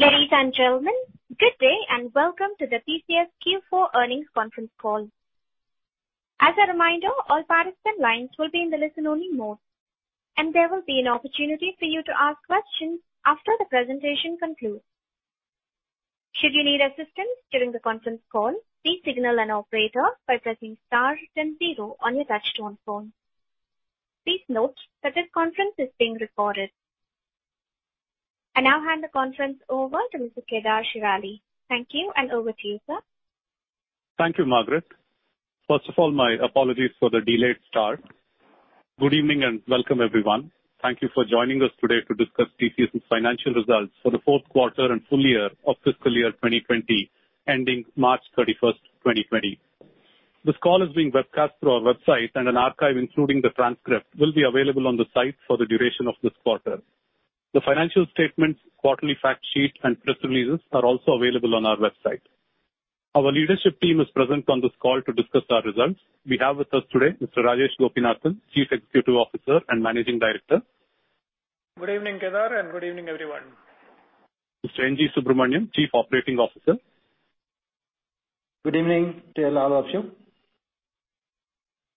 Ladies and gentlemen, good day and welcome to the TCS Q4 earnings conference call. As a reminder, all participant lines will be in the listen-only mode, and there will be an opportunity for you to ask questions after the presentation concludes. Should you need assistance during the conference call, please signal an operator by pressing star then zero on your touch-tone phone. Please note that this conference is being recorded. I now hand the conference over to Mr. Kedar Shirali. Thank you, and over to you, sir. Thank you, Margaret. First of all, my apologies for the delayed start. Good evening. Welcome everyone. Thank you for joining us today to discuss TCS's financial results for the fourth quarter and full year of fiscal year 2020, ending March 31st, 2020. This call is being webcast through our website. An archive, including the transcript, will be available on the site for the duration of this quarter. The financial statements, quarterly fact sheet, and press releases are also available on our website. Our leadership team is present on this call to discuss our results. We have with us today Mr. Rajesh Gopinathan, Chief Executive Officer and Managing Director. Good evening, Kedar, and good evening everyone. Mr. N. G. Subramaniam, Chief Operating Officer. Good evening to all of you.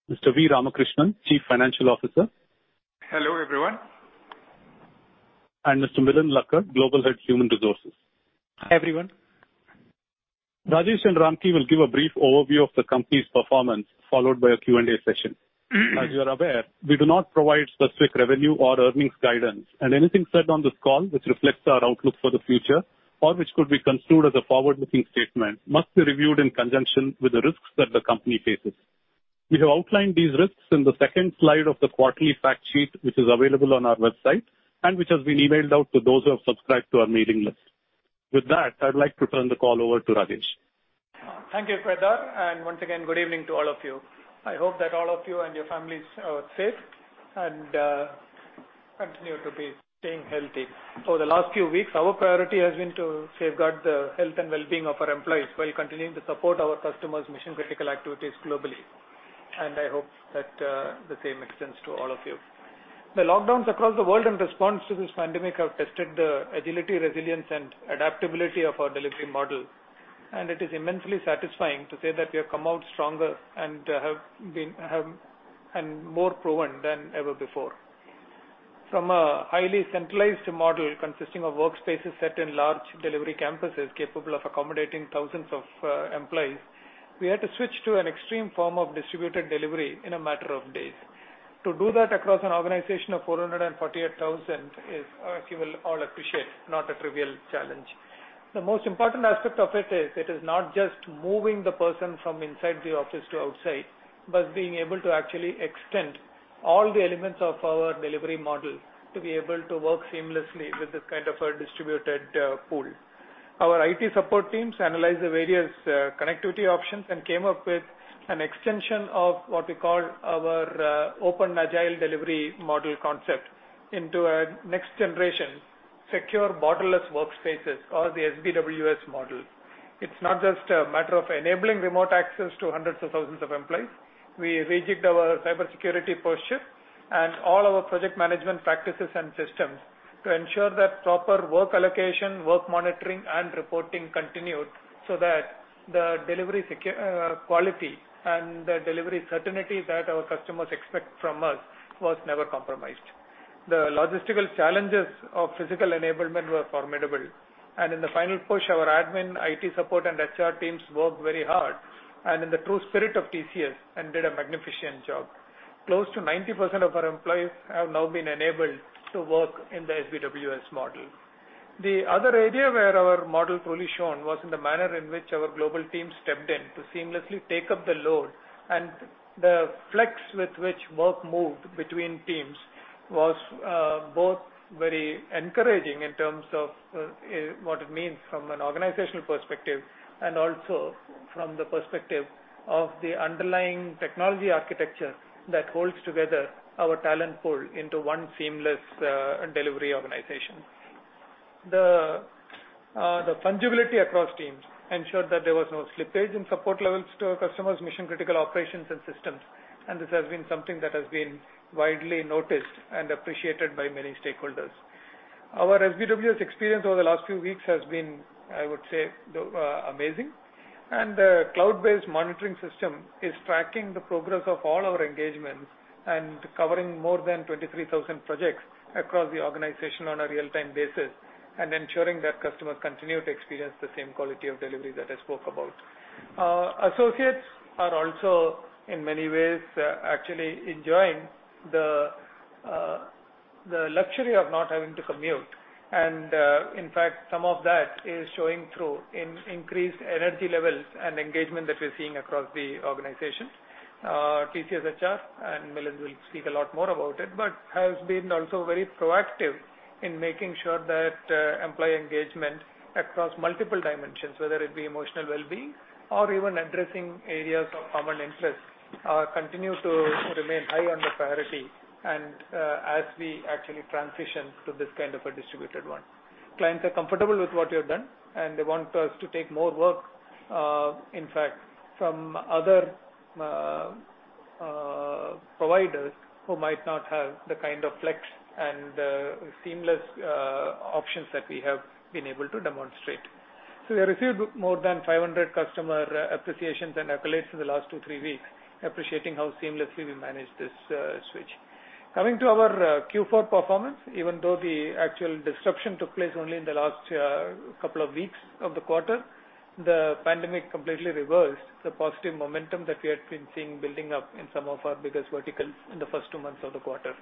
Mr. V. Ramakrishnan, Chief Financial Officer. Hello everyone. Mr. Milind Lakkad, Global Head, Human Resources. Hi, everyone. Rajesh and Ramki will give a brief overview of the company's performance, followed by a Q&A session. As you are aware, we do not provide specific revenue or earnings guidance, and anything said on this call which reflects our outlook for the future, or which could be construed as a forward-looking statement, must be reviewed in conjunction with the risks that the company faces. We have outlined these risks in the second slide of the quarterly fact sheet, which is available on our website, and which has been emailed out to those who have subscribed to our mailing list. With that, I'd like to turn the call over to Rajesh. Thank you, Kedar. Once again, good evening to all of you. I hope that all of you and your families are safe and continue to be staying healthy. Over the last few weeks, our priority has been to safeguard the health and wellbeing of our employees while continuing to support our customers' mission-critical activities globally. I hope that the same extends to all of you. The lockdowns across the world in response to this pandemic have tested the agility, resilience, and adaptability of our delivery model, and it is immensely satisfying to say that we have come out stronger and more proven than ever before. From a highly centralized model consisting of workspaces set in large delivery campuses capable of accommodating thousands of employees, we had to switch to an extreme form of distributed delivery in a matter of days. To do that across an organization of 448,000 is, as you will all appreciate, not a trivial challenge. The most important aspect of it is, it is not just moving the person from inside the office to outside, but being able to actually extend all the elements of our delivery model to be able to work seamlessly with this kind of a distributed pool. Our IT support teams analyzed the various connectivity options and came up with an extension of what we call our open, agile delivery model concept into a next-generation secure borderless workspaces or the SBWS model. It is not just a matter of enabling remote access to hundreds of thousands of employees. We rejigged our cybersecurity posture and all our project management practices and systems to ensure that proper work allocation, work monitoring, and reporting continued, so that the delivery quality and the delivery certainty that our customers expect from us was never compromised. The logistical challenges of physical enablement were formidable, and in the final push, our admin, IT support, and HR teams worked very hard and in the true spirit of TCS and did a magnificent job. Close to 90% of our employees have now been enabled to work in the SBWS model. The other area where our model truly shone was in the manner in which our global team stepped in to seamlessly take up the load, and the flex with which work moved between teams was both very encouraging in terms of what it means from an organizational perspective, and also from the perspective of the underlying technology architecture that holds together our talent pool into one seamless delivery organization. The fungibility across teams ensured that there was no slippage in support levels to our customers' mission-critical operations and systems, and this has been something that has been widely noticed and appreciated by many stakeholders. Our SBWS experience over the last few weeks has been, I would say, amazing. The cloud-based monitoring system is tracking the progress of all our engagements and covering more than 23,000 projects across the organization on a real-time basis and ensuring that customers continue to experience the same quality of delivery that I spoke about. Associates are also, in many ways, actually enjoying the luxury of not having to commute. In fact, some of that is showing through in increased energy levels and engagement that we're seeing across the organization. TCS HR, and Milind will speak a lot more about it, but has been also very proactive in making sure that employee engagement across multiple dimensions, whether it be emotional wellbeing or even addressing areas of common interest, continue to remain high on the priority and as we actually transition to this kind of a distributed one. Clients are comfortable with what we have done, and they want us to take more work. In fact, from other providers who might not have the kind of flex and seamless options that we have been able to demonstrate. We received more than 500 customer appreciations and accolades in the last two, three weeks appreciating how seamlessly we managed this switch. Coming to our Q4 performance, even though the actual disruption took place only in the last couple of weeks of the quarter, the pandemic completely reversed the positive momentum that we had been seeing building up in some of our biggest verticals in the first two months of the quarter.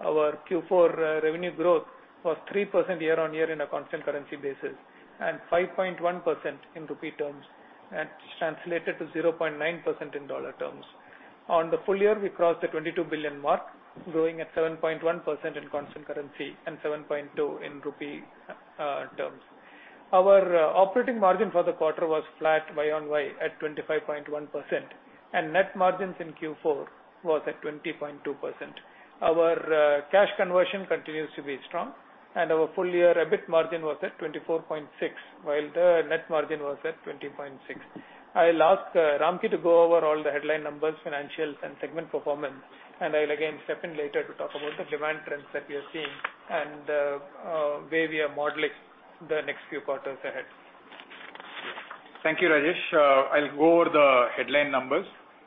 Our Q4 revenue growth was 3% year-on-year in a constant currency basis, and 5.1% in INR terms, and translated to 0.9% in USD terms. On the full year, we crossed the 22 billion mark, growing at 7.1% in constant currency and 7.2% in rupee terms. Our operating margin for the quarter was flat Y-on-Y at 25.1%, and net margins in Q4 was at 20.2%. Our cash conversion continues to be strong, and our full-year EBITDA margin was at 24.6%, while the net margin was at 20.6%. I'll ask Ramki to go over all the headline numbers, financials and segment performance, and I'll again step in later to talk about the demand trends that we are seeing and where we are modeling the next few quarters ahead. Thank you, Rajesh. I'll go over the headline numbers.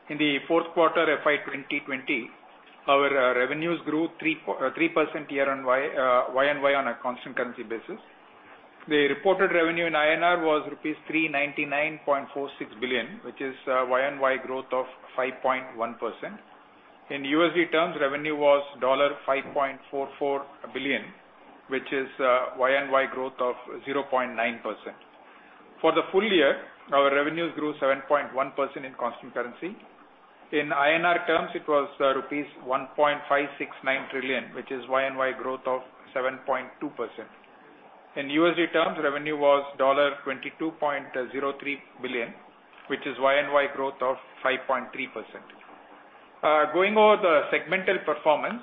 In the fourth quarter FY 2020, our revenues grew 3% year-on-year on a constant currency basis. The reported revenue in INR was rupees 399.46 billion, which is a year-on-year growth of 5.1%. In USD terms, revenue was $5.44 billion, which is a year-on-year growth of 0.9%. For the full year, our revenues grew 7.1% in constant currency. In INR terms, it was rupees 1.569 trillion, which is year-on-year growth of 7.2%. In USD terms, revenue was $22.03 billion, which is year-on-year growth of 5.3%. Going over the segmental performance.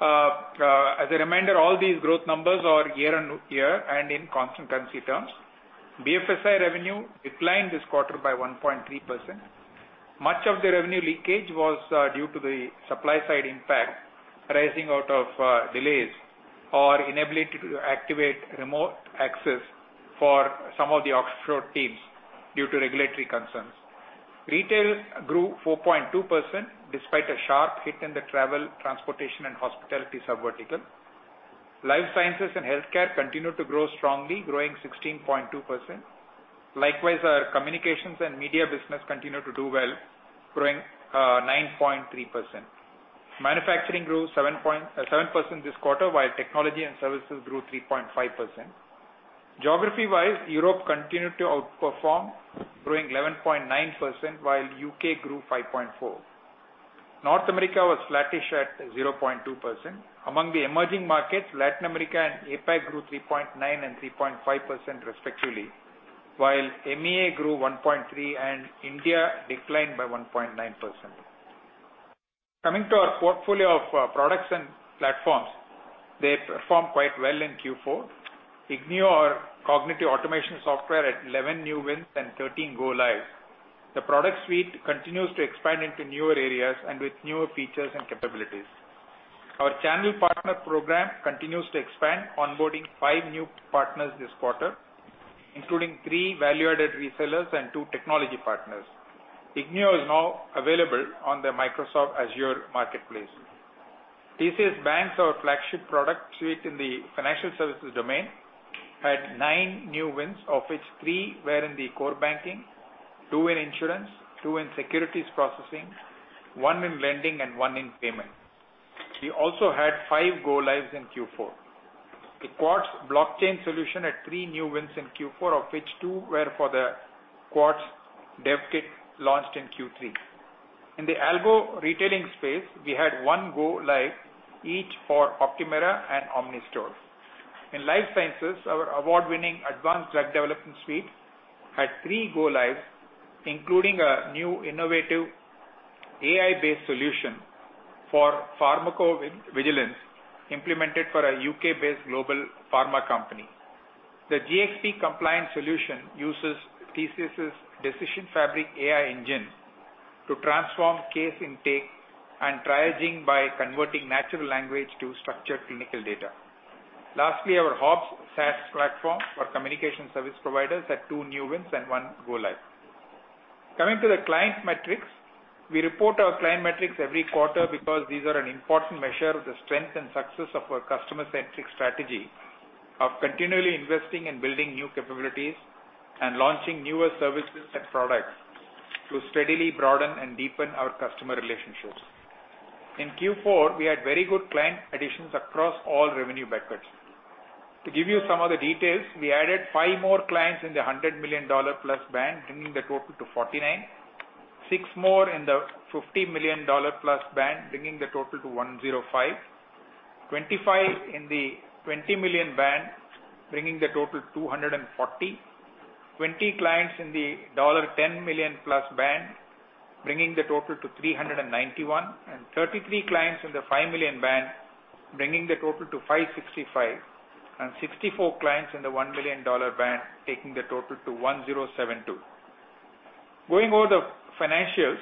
As a reminder, all these growth numbers are year-on-year and in constant currency terms. BFSI revenue declined this quarter by 1.3%. Much of the revenue leakage was due to the supply-side impact arising out of delays or inability to activate remote access for some of the offshore teams due to regulatory concerns. Retail grew 4.2% despite a sharp hit in the travel, transportation, and hospitality subvertical. Life sciences and healthcare continued to grow strongly, growing 16.2%. Likewise, our communications and media business continued to do well, growing 9.3%. Manufacturing grew 7% this quarter, while technology and services grew 3.5%. Geography-wise, Europe continued to outperform, growing 11.9%, while U.K. grew 5.4%. North America was flattish at 0.2%. Among the emerging markets, Latin America and APAC grew 3.9% and 3.5% respectively, while MEA grew 1.3% and India declined by 1.9%. Coming to our portfolio of products and platforms. They performed quite well in Q4. ignio, our cognitive automation software had 11 new wins and 13 go lives. The product suite continues to expand into newer areas and with newer features and capabilities. Our channel partner program continues to expand, onboarding five new partners this quarter, including three value-added resellers and two technology partners. ignio is now available on the Microsoft Azure marketplace. TCS BaNCS, our flagship product suite in the financial services domain, had nine new wins, of which three were in the core banking, two in insurance, two in securities processing, one in lending, and one in payment. We also had five go lives in Q4. The Quartz blockchain solution had three new wins in Q4, of which two were for the Quartz DevKit launched in Q3. In the Algo retailing space, we had one go live each for Optumera and OmniStore. In life sciences, our award-winning advanced drug development suite had three go lives, including a new innovative AI-based solution for pharmacovigilance implemented for a U.K.-based global pharma company. The GxP compliance solution uses TCS Decision Fabric AI engine to transform case intake and triaging by converting natural language to structured clinical data. Lastly, our HOBS SaaS platform for communication service providers had two new wins and one go live. Coming to the client metrics. We report our client metrics every quarter because these are an important measure of the strength and success of our customer-centric strategy of continually investing and building new capabilities and launching newer services and products to steadily broaden and deepen our customer relationships. In Q4, we had very good client additions across all revenue buckets. To give you some of the details, we added five more clients in the INR 100 million-plus band, bringing the total to 49. Six more in the INR 50 million-plus band, bringing the total to 105. 25 in the 20 million band, bringing the total to 240. 20 clients in the INR 10 million-plus band, bringing the total to 391. 33 clients in the 5 million band, bringing the total to 565, and 64 clients in the INR 1 million band, taking the total to 1,072. Going over the financials,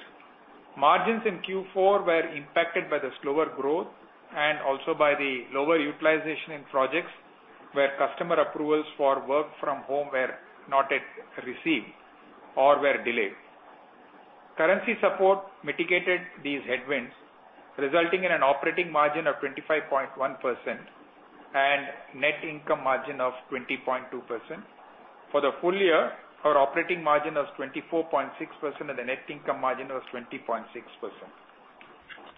margins in Q4 were impacted by the slower growth and also by the lower utilization in projects where customer approvals for work from home were not yet received or were delayed. Currency support mitigated these headwinds, resulting in an operating margin of 25.1% and net income margin of 20.2%. For the full year, our operating margin was 24.6% and the net income margin was 20.6%.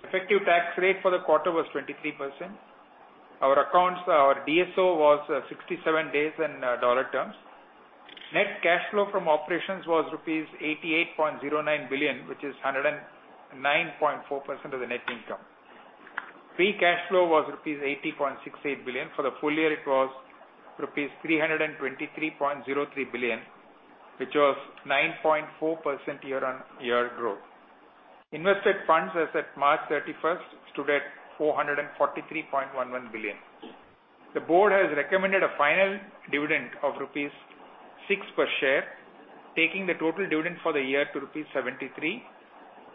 Effective tax rate for the quarter was 23%. Our DSO was 67 days in dollar terms. Net cash flow from operations was rupees 88.09 billion, which is 109.4% of the net income. Free cash flow was rupees 80.68 billion. For the full year, it was rupees 323.03 billion, which was 9.4% year-on-year growth. Invested funds as at March 31st stood at 443.11 billion. The board has recommended a final dividend of rupees 6 per share, taking the total dividend for the year to rupees 73.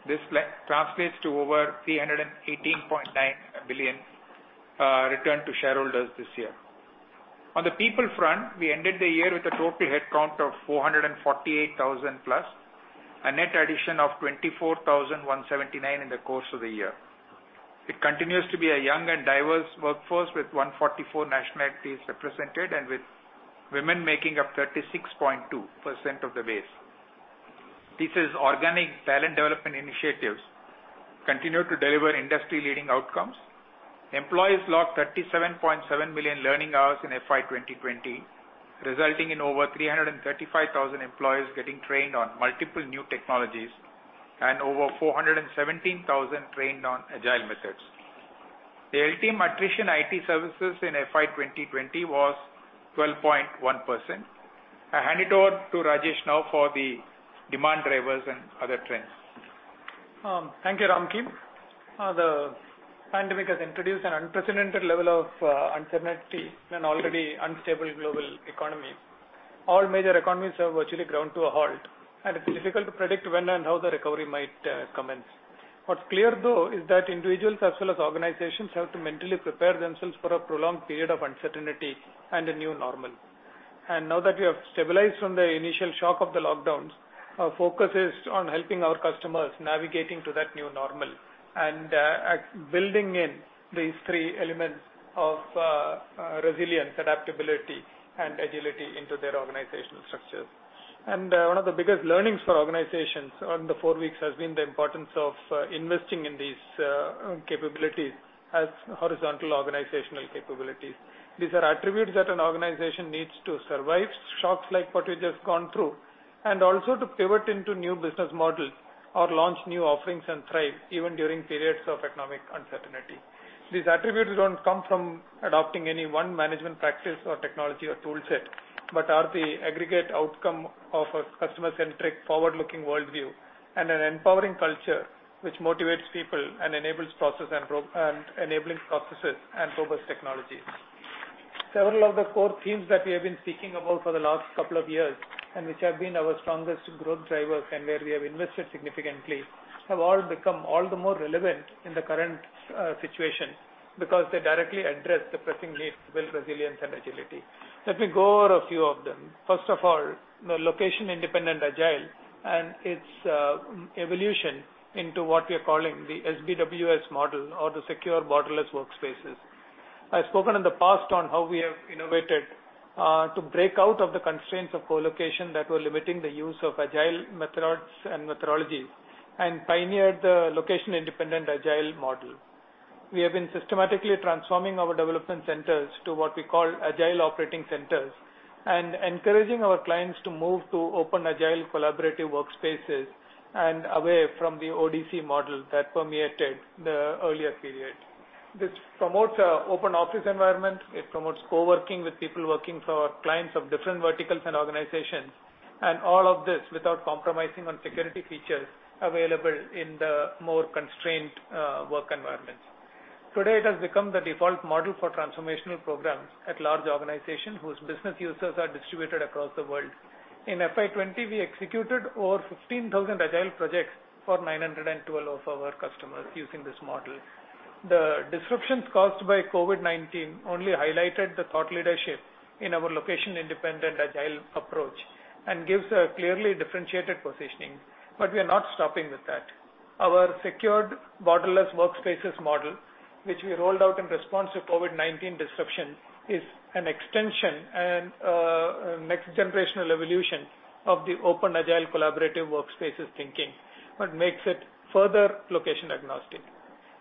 This translates to over 318.9 billion return to shareholders this year. On the people front, we ended the year with a total headcount of 448,000-plus, a net addition of 24,179 in the course of the year. It continues to be a young and diverse workforce with 144 nationalities represented and with women making up 36.2% of the base. This is organic talent development initiatives continue to deliver industry-leading outcomes. Employees logged 37.7 million learning hours in FY 2020, resulting in over 335,000 employees getting trained on multiple new technologies and over 417,000 trained on agile methods. The LTM attrition IT services in FY 2020 was 12.1%. I hand it over to Rajesh now for the demand drivers and other trends. Thank you, Ramki. The pandemic has introduced an unprecedented level of uncertainty in an already unstable global economy. All major economies have virtually ground to a halt. It's difficult to predict when and how the recovery might commence. What's clear, though, is that individuals as well as organizations have to mentally prepare themselves for a prolonged period of uncertainty and a new normal. Now that we have stabilized from the initial shock of the lockdowns, our focus is on helping our customers navigating to that new normal and building in these three elements of resilience, adaptability, and agility into their organizational structures. One of the biggest learnings for organizations on the four weeks has been the importance of investing in these capabilities as horizontal organizational capabilities. These are attributes that an organization needs to survive shocks like what we've just gone through, and also to pivot into new business models or launch new offerings and thrive even during periods of economic uncertainty. These attributes don't come from adopting any one management practice or technology or toolset, but are the aggregate outcome of a customer-centric, forward-looking worldview and an empowering culture which motivates people and enabling processes and robust technologies. Several of the core themes that we have been speaking about for the last couple of years and which have been our strongest growth drivers and where we have invested significantly have all become all the more relevant in the current situation because they directly address the pressing need to build resilience and agility. Let me go over a few of them. First of all, the Location-Independent Agile and its evolution into what we are calling the SBWS model or the Secure Borderless Workspaces. I've spoken in the past on how we have innovated to break out of the constraints of co-location that were limiting the use of agile methods and methodologies and pioneered the Location-Independent Agile model. We have been systematically transforming our development centers to what we call agile operating centers and encouraging our clients to move to open agile collaborative workspaces and away from the ODC model that permeated the earlier period. This promotes an open office environment. It promotes co-working with people working for clients of different verticals and organizations, and all of this without compromising on security features available in the more constrained work environments. Today, it has become the default model for transformational programs at large organizations whose business users are distributed across the world. In FY 2020, we executed over 15,000 agile projects for 912 of our customers using this model. The disruptions caused by COVID-19 only highlighted the thought leadership in our Location-Independent Agile approach and gives a clearly differentiated positioning. We are not stopping with that. Our Secured Borderless Workspaces model, which we rolled out in response to COVID-19 disruption, is an extension and a next-generational evolution of the open agile collaborative workspaces thinking, but makes it further location-agnostic.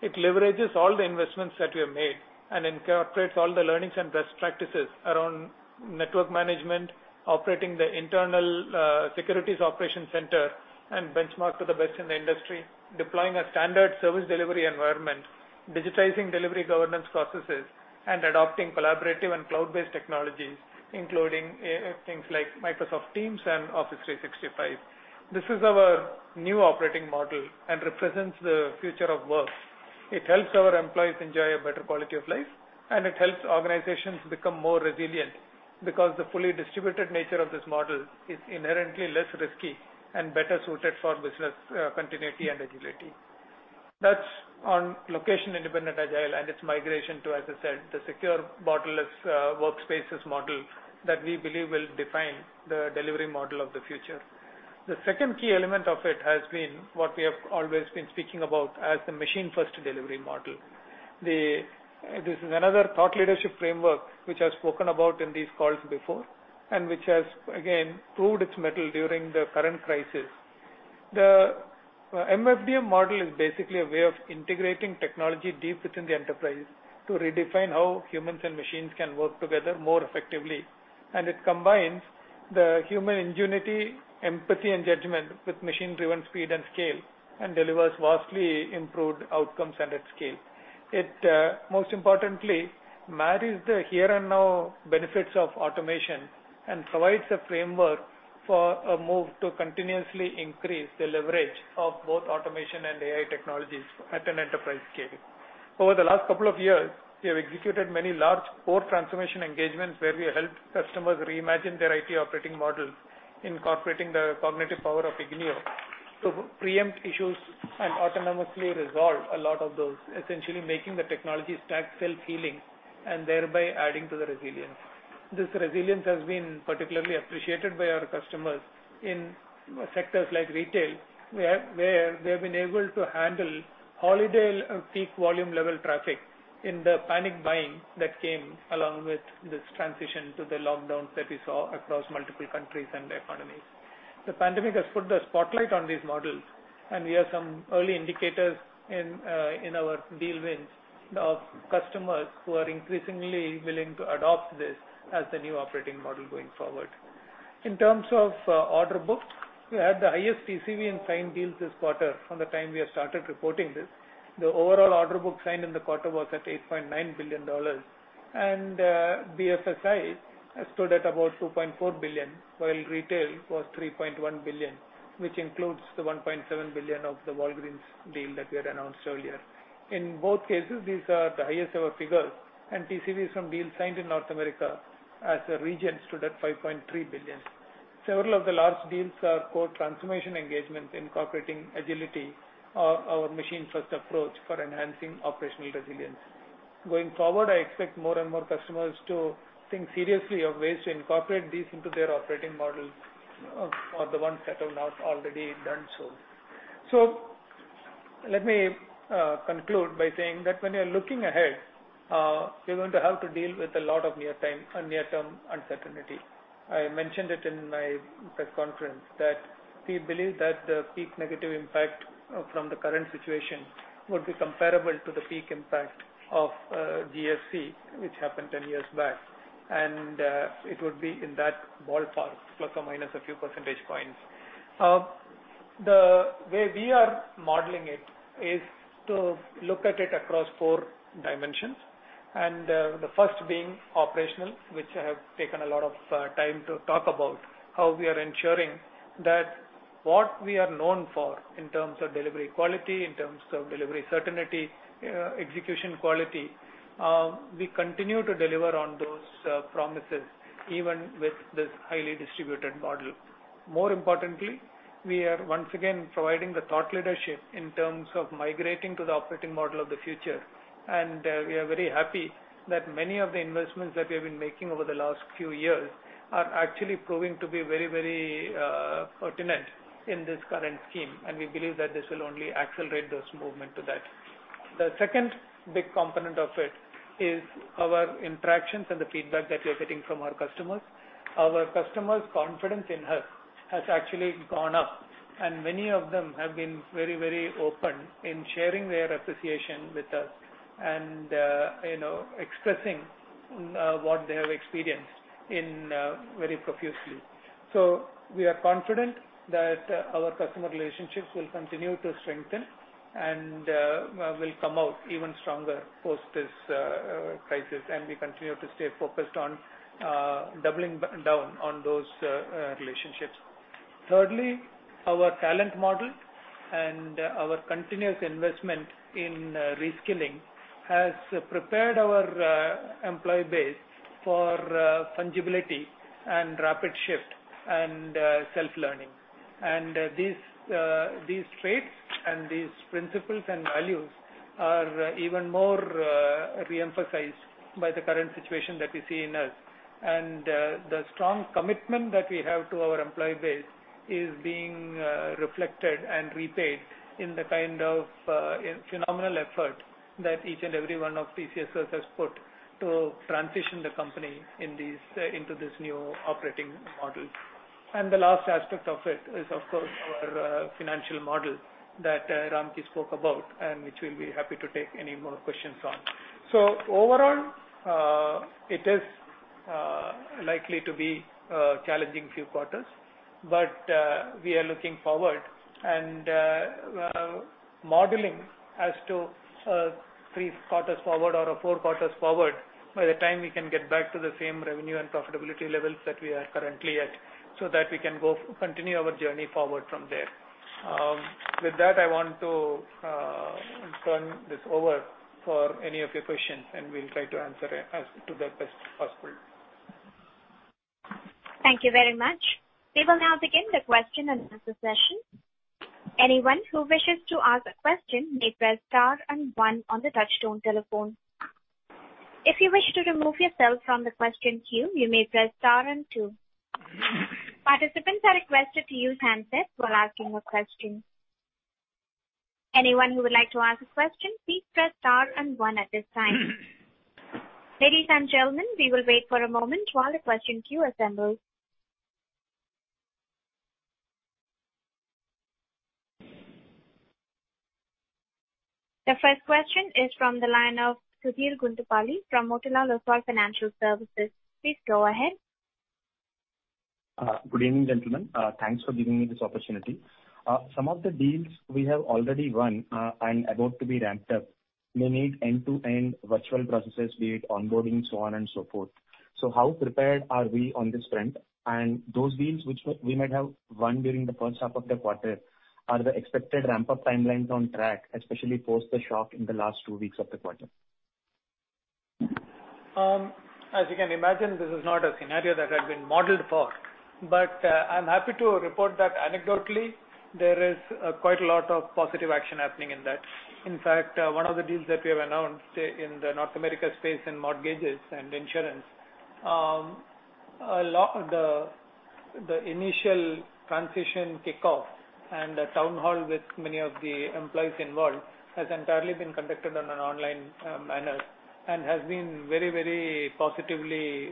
It leverages all the investments that we have made and incorporates all the learnings and best practices around network management, operating the internal securities operations center, and benchmark to the best in the industry, deploying a standard service delivery environment, digitizing delivery governance processes and adopting collaborative and cloud-based technologies, including things like Microsoft Teams and Office 365. This is our new operating model and represents the future of work. It helps our employees enjoy a better quality of life, and it helps organizations become more resilient because the fully distributed nature of this model is inherently less risky and better suited for business continuity and agility. That's on Location-Independent Agile and its migration to, as I said, the Secure Borderless Workspaces model that we believe will define the delivery model of the future. The second key element of it has been what we have always been speaking about as the Machine First Delivery Model. This is another thought leadership framework, which I've spoken about in these calls before, and which has, again, proved its mettle during the current crisis. The MFDM model is basically a way of integrating technology deep within the enterprise to redefine how humans and machines can work together more effectively. It combines the human ingenuity, empathy, and judgment with machine-driven speed and scale, and delivers vastly improved outcomes and at scale. It, most importantly, marries the here-and-now benefits of automation and provides a framework for a move to continuously increase the leverage of both automation and AI technologies at an enterprise scale. Over the last couple of years, we have executed many large core transformation engagements where we helped customers reimagine their IT operating model, incorporating the cognitive power of ignio™ to preempt issues and autonomously resolve a lot of those, essentially making the technology stack self-healing and thereby adding to the resilience. This resilience has been particularly appreciated by our customers in sectors like retail, where they've been able to handle holiday peak volume level traffic in the panic buying that came along with this transition to the lockdowns that we saw across multiple countries and their economies. The pandemic has put the spotlight on these models. We have some early indicators in our deal wins of customers who are increasingly willing to adopt this as the new operating model going forward. In terms of order book, we had the highest TCV in signed deals this quarter from the time we have started reporting this. The overall order book signed in the quarter was at 8.9 billion, and BFSI stood at about 2.4 billion, while retail was 3.1 billion, which includes the 1.7 billion of the Walgreens deal that we had announced earlier. In both cases, these are the highest ever figures, and TCVs from deals signed in North America as a region stood at 5.3 billion. Several of the large deals are core transformation engagements incorporating agility or our Machine First approach for enhancing operational resilience. Going forward, I expect more and more customers to think seriously of ways to incorporate these into their operating model or the ones that have not already done so. Let me conclude by saying that when you're looking ahead, we're going to have to deal with a lot of near-term uncertainty. I mentioned it in my press conference that we believe that the peak negative impact from the current situation would be comparable to the peak impact of GFC, which happened 10 years back, and it would be in that ballpark, plus or minus a few percentage points. The way we are modeling it is to look at it across four dimensions, and the first being operational, which I have taken a lot of time to talk about how we are ensuring that what we are known for in terms of delivery quality, in terms of delivery certainty, execution quality, we continue to deliver on those promises, even with this highly distributed model. More importantly, we are once again providing the thought leadership in terms of migrating to the operating model of the future. We are very happy that many of the investments that we have been making over the last few years are actually proving to be very pertinent in this current scheme, and we believe that this will only accelerate this movement to that. The second big component of it is our interactions and the feedback that we're getting from our customers. Our customers' confidence in us has actually gone up, and many of them have been very open in sharing their association with us and expressing what they have experienced very profusely. We are confident that our customer relationships will continue to strengthen and will come out even stronger post this crisis. We continue to stay focused on doubling down on those relationships. Thirdly, our talent model and our continuous investment in reskilling has prepared our employee base for fungibility and rapid shift and self-learning. These traits and these principles and values are even more reemphasized by the current situation that we see in us. The strong commitment that we have to our employee base is being reflected and repaid in the kind of phenomenal effort that each and every one of TCSers has put to transition the company into this new operating model. The last aspect of it is, of course, our financial model that Ramki spoke about, and which we'll be happy to take any more questions on. Overall, it is likely to be a challenging few quarters. We are looking forward and modeling as to three quarters forward or four quarters forward by the time we can get back to the same revenue and profitability levels that we are currently at, so that we can continue our journey forward from there. With that, I want to turn this over for any of your questions, and we'll try to answer as to the best possible. Thank you very much. We will now begin the question and answer session. Anyone who wishes to ask a question may press star and one on the touch-tone telephone. If you wish to remove yourself from the question queue, you may press star and two. Participants are requested to use handsets while asking a question. Anyone who would like to ask a question, please press star and one at this time. Ladies and gentlemen, we will wait for a moment while the question queue assembles. The first question is from the line of Sudheer Guntupalli from Motilal Oswal Financial Services. Please go ahead. Good evening, gentlemen. Thanks for giving me this opportunity. Some of the deals we have already won and about to be ramped up may need end-to-end virtual processes, be it onboarding, so on and so forth. How prepared are we on this front? Those deals which we might have won during the first half of the quarter, are the expected ramp-up timelines on track, especially post the shock in the last two weeks of the quarter? As you can imagine, this is not a scenario that had been modeled for. I'm happy to report that anecdotally, there is quite a lot of positive action happening in that. In fact, one of the deals that we have announced in the North America space in mortgages and insurance. The initial transition kickoff and the town hall with many of the employees involved has entirely been conducted on an online manner and has been very positively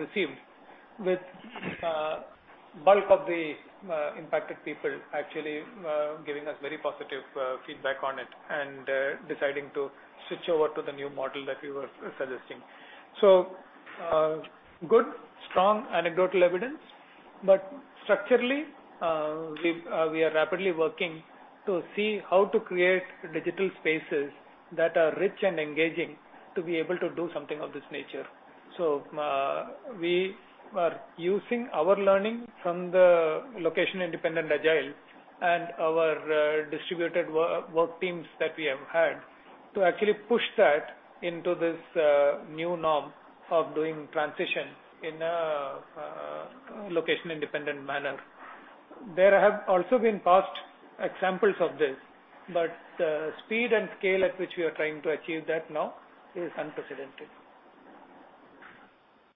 received with bulk of the impacted people actually giving us very positive feedback on it and deciding to switch over to the new model that we were suggesting. Good, strong anecdotal evidence, but structurally, we are rapidly working to see how to create digital spaces that are rich and engaging to be able to do something of this nature. We are using our learning from the Location-Independent Agile and our distributed work teams that we have had to actually push that into this new norm of doing transition in a location-independent manner. There have also been past examples of this, but the speed and scale at which we are trying to achieve that now is unprecedented.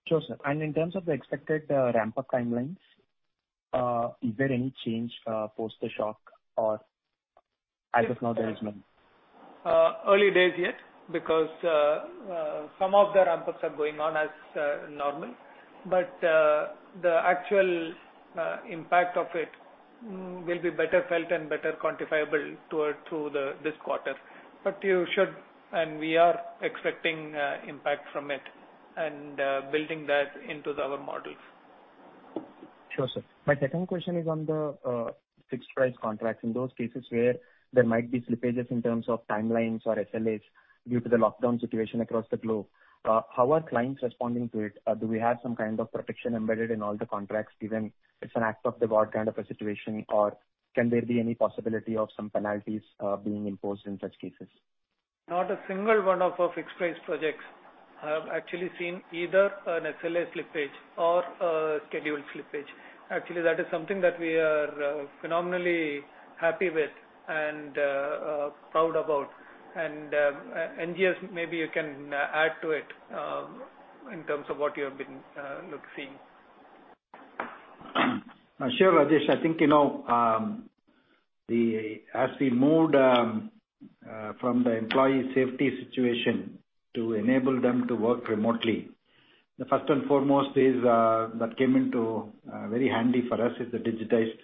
Sure, sir. In terms of the expected ramp-up timelines, is there any change post the shock or as of now there is none? Early days yet because some of the ramp-ups are going on as normal, but the actual impact of it will be better felt and better quantifiable through this quarter. You should, and we are expecting impact from it and building that into our models. Sure, sir. My second question is on the fixed-price contracts. In those cases where there might be slippages in terms of timelines or SLAs due to the lockdown situation across the globe, how are clients responding to it? Do we have some kind of protection embedded in all the contracts given it's an act of God kind of a situation or can there be any possibility of some penalties being imposed in such cases? Not a single one of our fixed-price projects have actually seen either an SLA slippage or a schedule slippage. Actually, that is something that we are phenomenally happy with and proud about. NGS, maybe you can add to it in terms of what you have been seeing. Sure, Rajesh. I think as we moved from the employee safety situation to enable them to work remotely, the first and foremost that came into very handy for us is the digitized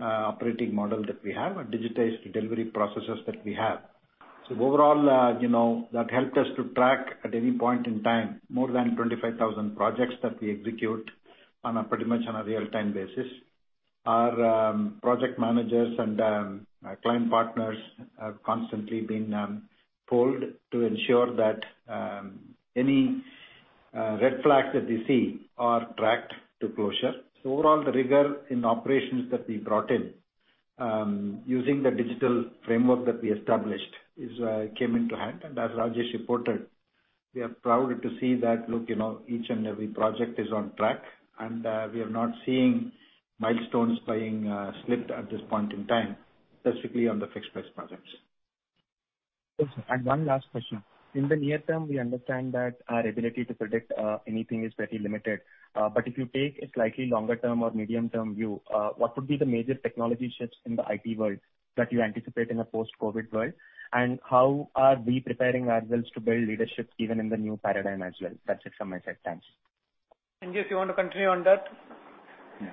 operating model that we have, a digitized delivery processes that we have. Overall that helped us to track at any point in time more than 25,000 projects that we execute on a pretty much on a real-time basis. Our project managers and our client partners have constantly been polled to ensure that any red flags that they see are tracked to closure. Overall, the rigor in operations that we brought in using the digital framework that we established came into hand. As Rajesh reported, we are proud to see that each and every project is on track and we are not seeing milestones being slipped at this point in time, specifically on the fixed-price projects. Yes. One last question. In the near term, we understand that our ability to predict anything is very limited. If you take a slightly longer-term or medium-term view, what would be the major technology shifts in the IT world that you anticipate in a post-COVID world, and how are we preparing ourselves to build leadership even in the new paradigm as well? That's it from my side. Thanks. NG, if you want to continue on that. Yeah.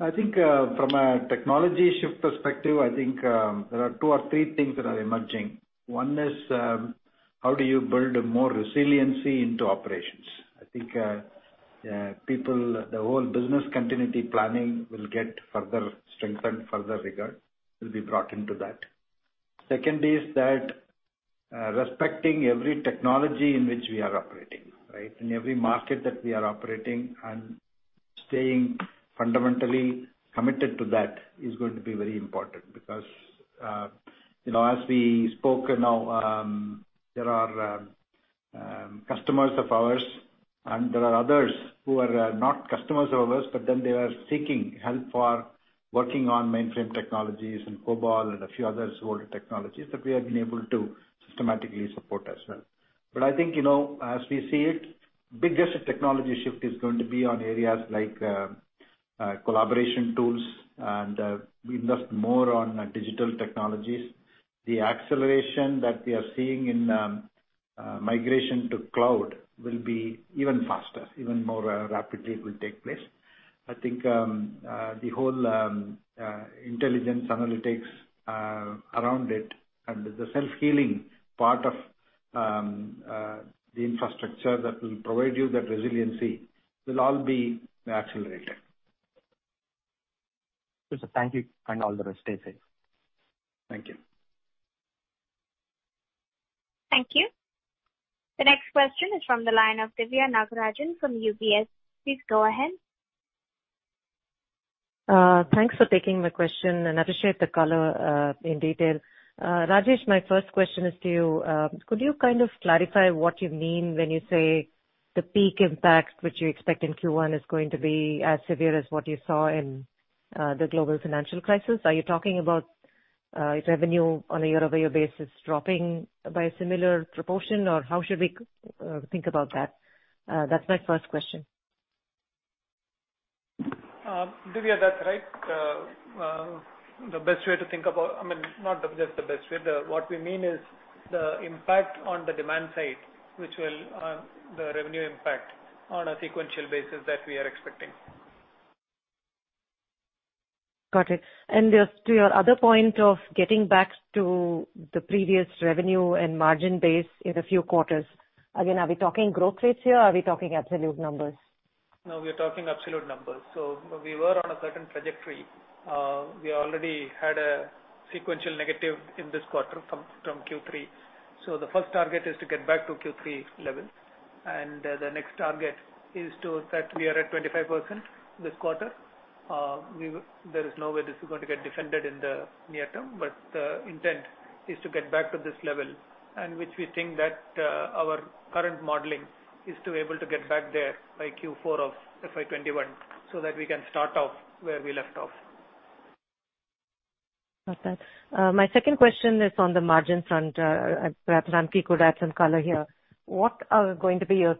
I think from a technology shift perspective, I think there are two or three things that are emerging. One is how do you build more resiliency into operations? I think the whole business continuity planning will get further strengthened, further rigor will be brought into that. Second is that respecting every technology in which we are operating. Staying fundamentally committed to that is going to be very important because as we spoke now, there are customers of ours and there are others who are not customers of ours, they are seeking help for working on mainframe technologies and COBOL and a few other older technologies that we have been able to systematically support as well. I think, as we see it, biggest technology shift is going to be on areas like collaboration tools, and we invest more on digital technologies. The acceleration that we are seeing in migration to cloud will be even faster, even more rapidly it will take place. I think the whole intelligence analytics around it and the self-healing part of the infrastructure that will provide you that resiliency will all be accelerated. Super. Thank you and all the rest. Stay safe. Thank you. Thank you. The next question is from the line of Divya Nagarajan from UBS. Please go ahead. Thanks for taking my question. I appreciate the color in detail. Rajesh, my first question is to you. Could you kind of clarify what you mean when you say the peak impact which you expect in Q1 is going to be as severe as what you saw in the global financial crisis? Are you talking about revenue on a year-over-year basis dropping by a similar proportion, or how should we think about that? That's my first question. Divya, that's right. Not just the best way. What we mean is the impact on the demand side, the revenue impact on a sequential basis that we are expecting. Got it. Just to your other point of getting back to the previous revenue and margin base in a few quarters. Again, are we talking growth rates here? Are we talking absolute numbers? No, we're talking absolute numbers. We were on a certain trajectory. We already had a sequential negative in this quarter from Q3. The first target is to get back to Q3 levels, and the next target is to set we are at 25% this quarter. There is no way this is going to get defended in the near term, but the intent is to get back to this level and which we think that our current modeling is to able to get back there by Q4 of FY 2021 so that we can start off where we left off. Perfect. My second question is on the margin front. Perhaps Ramki could add some color here. What are going to be your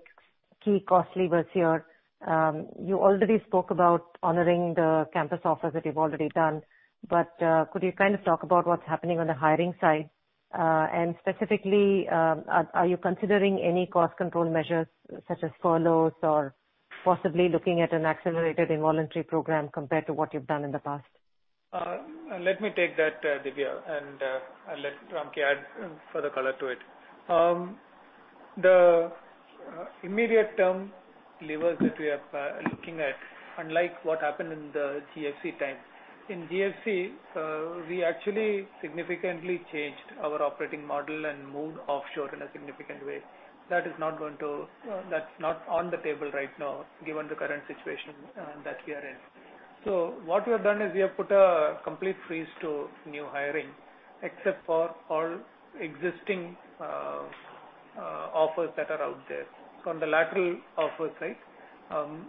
key cost levers here? You already spoke about honoring the campus offers that you've already done. Could you kind of talk about what's happening on the hiring side? Specifically, are you considering any cost control measures such as furloughs or possibly looking at an accelerated involuntary program compared to what you've done in the past? Let me take that, Divya, and I'll let Ramki add further color to it. The immediate term levers that we are looking at, unlike what happened in the GFC time. In GFC, we actually significantly changed our operating model and moved offshore in a significant way. That's not on the table right now given the current situation that we are in. What we have done is we have put a complete freeze to new hiring except for all existing offers that are out there. From the lateral offer side,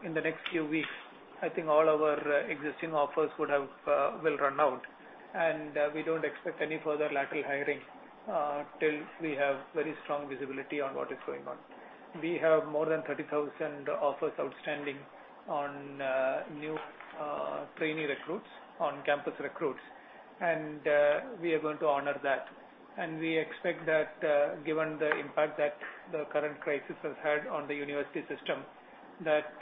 in the next few weeks, I think all our existing offers will run out, and we don't expect any further lateral hiring till we have very strong visibility on what is going on. We have more than 30,000 offers outstanding on new trainee recruits, on-campus recruits, and we are going to honor that. We expect that given the impact that the current crisis has had on the university system, that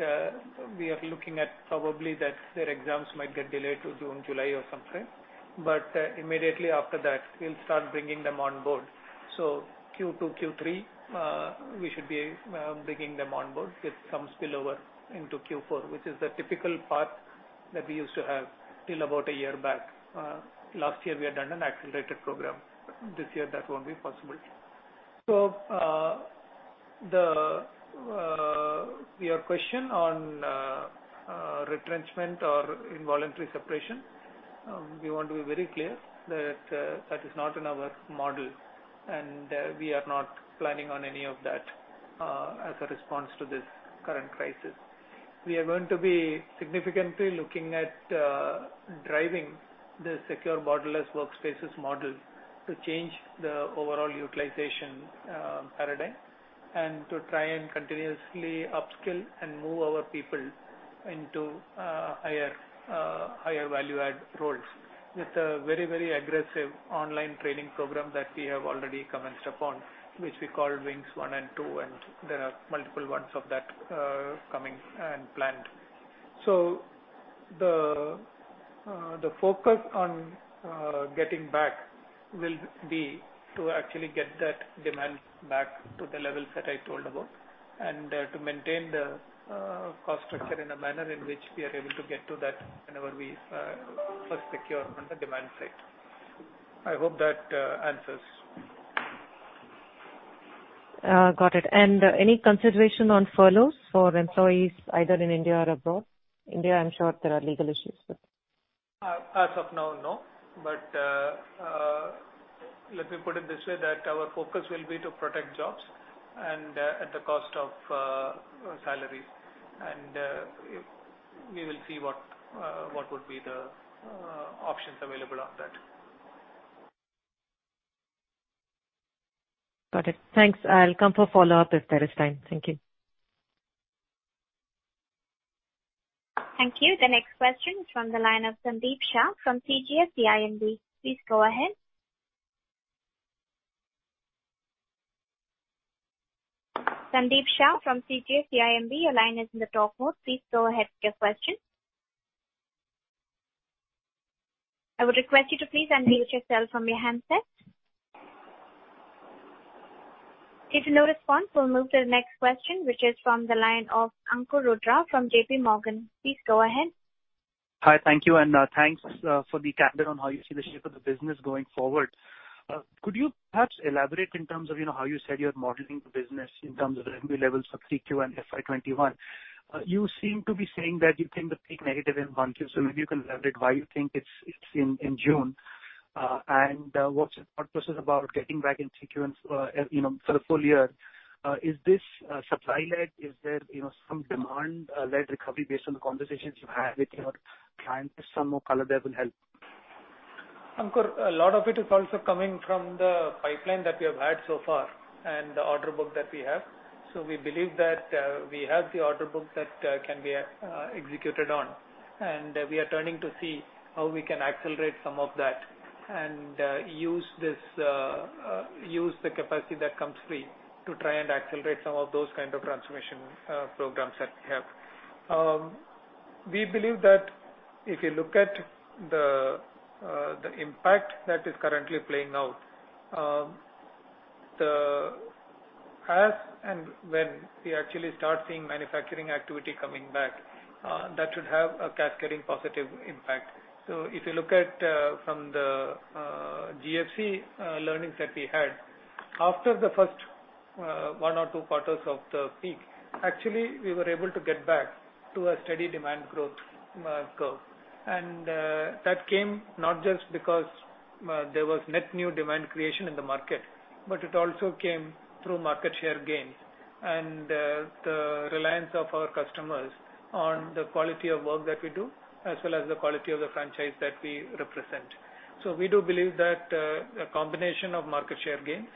we are looking at probably that their exams might get delayed to June, July, or sometime. Immediately after that, we'll start bringing them on board. Q2, Q3, we should be bringing them on board. It comes below into Q4, which is the typical path that we used to have till about a year back. Last year, we had done an accelerated program. This year, that won't be possible. Your question on retrenchment or involuntary separation. We want to be very clear that is not in our model, and we are not planning on any of that as a response to this current crisis. We are going to be significantly looking at driving the secure borderless workspaces model to change the overall utilization paradigm and to try and continuously upskill and move our people into higher value-add roles with a very aggressive online training program that we have already commenced upon, which we call Wings 1 and 2, and there are multiple ones of that coming and planned. The focus on getting back will be to actually get that demand back to the levels that I told about and to maintain the cost structure in a manner in which we are able to get to that whenever we first secure on the demand side. I hope that answers. Got it. Any consideration on furloughs for employees, either in India or abroad? India, I'm sure there are legal issues with. As of now, no. Let me put it this way, that our focus will be to protect jobs and at the cost of salaries. We will see what would be the options available on that. Got it. Thanks. I'll come for follow-up if there is time. Thank you. Thank you. The next question is from the line of Sandeep Shah from CGS-CIMB. Please go ahead. Sandeep Shah from CGS-CIMB, your line is in the talk mode. Please go ahead with your question. I would request you to please unmute yourself from your handset. If no response, we will move to the next question, which is from the line of Ankur Rudra from JPMorgan. Please go ahead. Hi. Thank you, thanks for the comment on how you see the shape of the business going forward. Could you perhaps elaborate in terms of how you said you're modeling the business in terms of revenue levels for Q2 and FY 2021? You seem to be saying that you think the peak negative in 1Q. Maybe you can elaborate why you think it's in June. What's your thought process about getting back in Q2 and for the full year? Is this supply-led? Is there some demand-led recovery based on the conversations you've had with your clients? Just some more color there will help. Ankur, a lot of it is also coming from the pipeline that we have had so far and the order book that we have. We believe that we have the order book that can be executed on, and we are turning to see how we can accelerate some of that and use the capacity that comes free to try and accelerate some of those kind of transformation programs that we have. We believe that if you look at the impact that is currently playing out, as and when we actually start seeing manufacturing activity coming back, that should have a cascading positive impact. If you look at from the GFC learnings that we had, after the first one or two quarters of the peak, actually, we were able to get back to a steady demand growth curve. That came not just because there was net new demand creation in the market, but it also came through market share gains and the reliance of our customers on the quality of work that we do, as well as the quality of the franchise that we represent. We do believe that a combination of market share gains,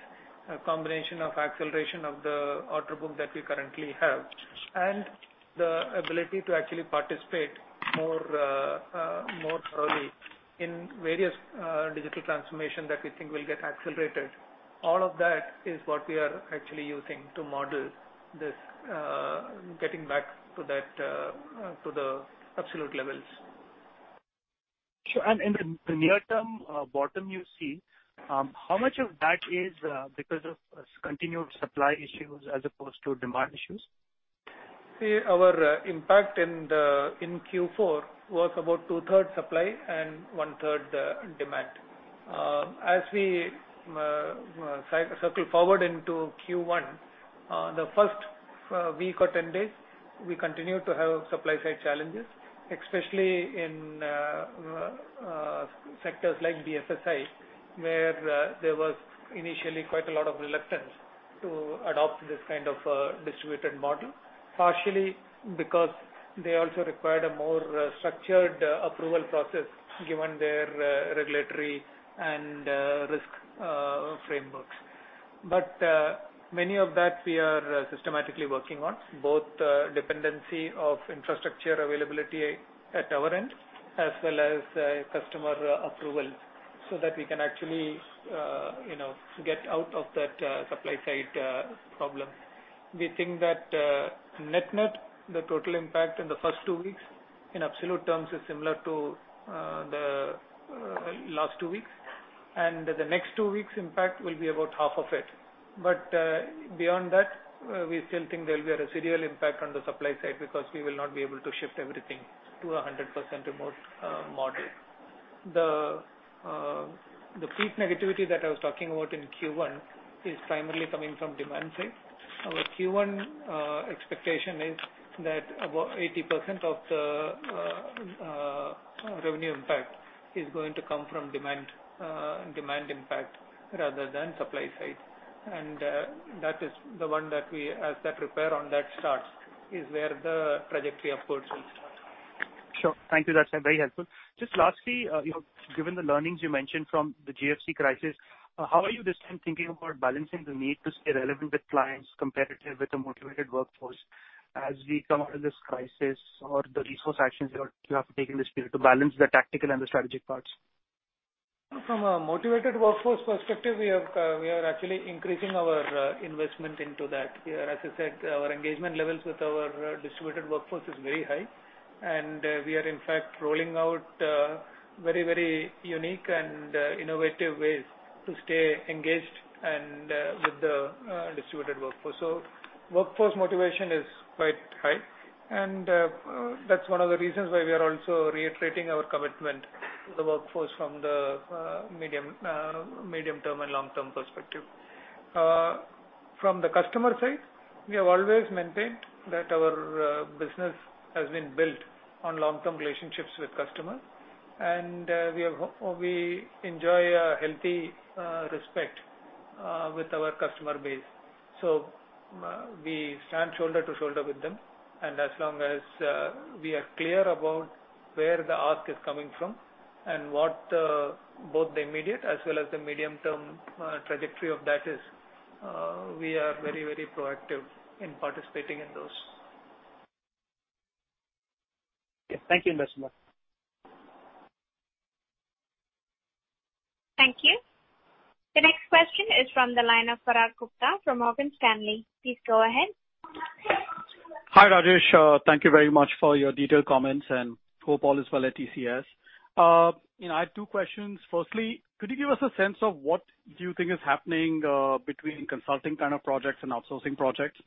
a combination of acceleration of the order book that we currently have, and the ability to actually participate more thoroughly in various digital transformation that we think will get accelerated. All of that is what we are actually using to model this, getting back to the absolute levels. Sure. In the near-term bottom you see, how much of that is because of continued supply issues as opposed to demand issues? Our impact in Q4 was about two-third supply and one-third demand. As we circle forward into Q1, the first week or 10 days, we continued to have supply-side challenges, especially in sectors like BFSI, where there was initially quite a lot of reluctance to adopt this kind of a distributed model, partially because they also required a more structured approval process given their regulatory and risk frameworks. Many of that we are systematically working on, both dependency of infrastructure availability at our end as well as customer approval so that we can actually get out of that supply-side problem. We think that net-net, the total impact in the first two weeks in absolute terms is similar to the last two weeks. The next two weeks' impact will be about half of it. Beyond that, we still think there'll be a residual impact on the supply side because we will not be able to shift everything to 100% remote model. The peak negativity that I was talking about in Q1 is primarily coming from demand side. Our Q1 expectation is that about 80% of the revenue impact is going to come from demand impact rather than supply side. That is the one that we, as that repair on that starts, is where the trajectory upwards will start. Sure. Thank you. That's very helpful. Just lastly, given the learnings you mentioned from the GFC crisis, how are you this time thinking about balancing the need to stay relevant with clients, competitive with a motivated workforce as we come out of this crisis, or the resource actions you have to take in this period to balance the tactical and the strategic parts? From a motivated workforce perspective, we are actually increasing our investment into that. As I said, our engagement levels with our distributed workforce is very high, and we are, in fact, rolling out very unique and innovative ways to stay engaged and with the distributed workforce. Workforce motivation is quite high, and that's one of the reasons why we are also reiterating our commitment to the workforce from the medium-term and long-term perspective. From the customer side, we have always maintained that our business has been built on long-term relationships with customers, and we enjoy a healthy respect with our customer base. We stand shoulder to shoulder with them, and as long as we are clear about where the ask is coming from and what both the immediate as well as the medium-term trajectory of that is we are very proactive in participating in those. Yes. Thank you very much. Thank you. The next question is from the line of Parag Gupta from Morgan Stanley. Please go ahead. Hi, Rajesh. Thank you very much for your detailed comments, and hope all is well at TCS. I have two questions. Firstly, could you give us a sense of what you think is happening between consulting kind of projects and outsourcing projects?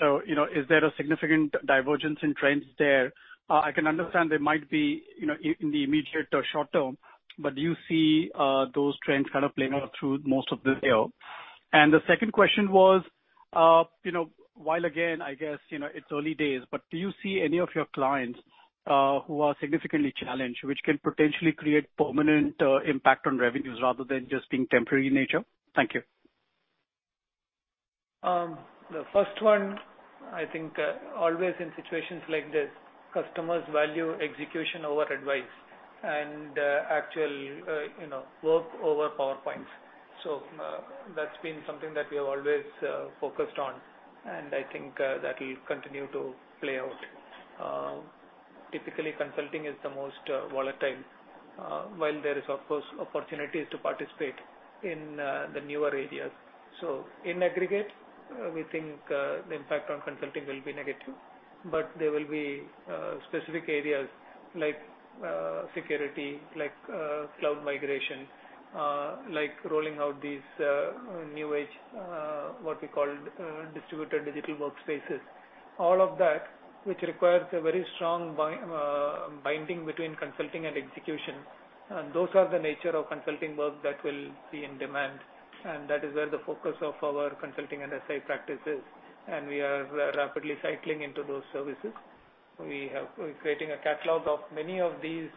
Is there a significant divergence in trends there? I can understand there might be in the immediate or short term, but do you see those trends kind of playing out through most of this year? The second question was, while again, I guess it's early days, but do you see any of your clients who are significantly challenged, which can potentially create permanent impact on revenues rather than just being temporary in nature? Thank you. The first one, I think always in situations like this, customers value execution over advice and actual work over PowerPoints. That's been something that we have always focused on, and I think that'll continue to play out. Typically, consulting is the most volatile while there is, of course, opportunities to participate in the newer areas. In aggregate, we think the impact on consulting will be negative. There will be specific areas like security, like cloud migration, like rolling out these new-age what we call distributed digital workspaces. All of that which requires a very strong binding between consulting and execution. Those are the nature of consulting work that will be in demand. That is where the focus of our consulting and SI practice is. We are rapidly cycling into those services. We're creating a catalog of many of these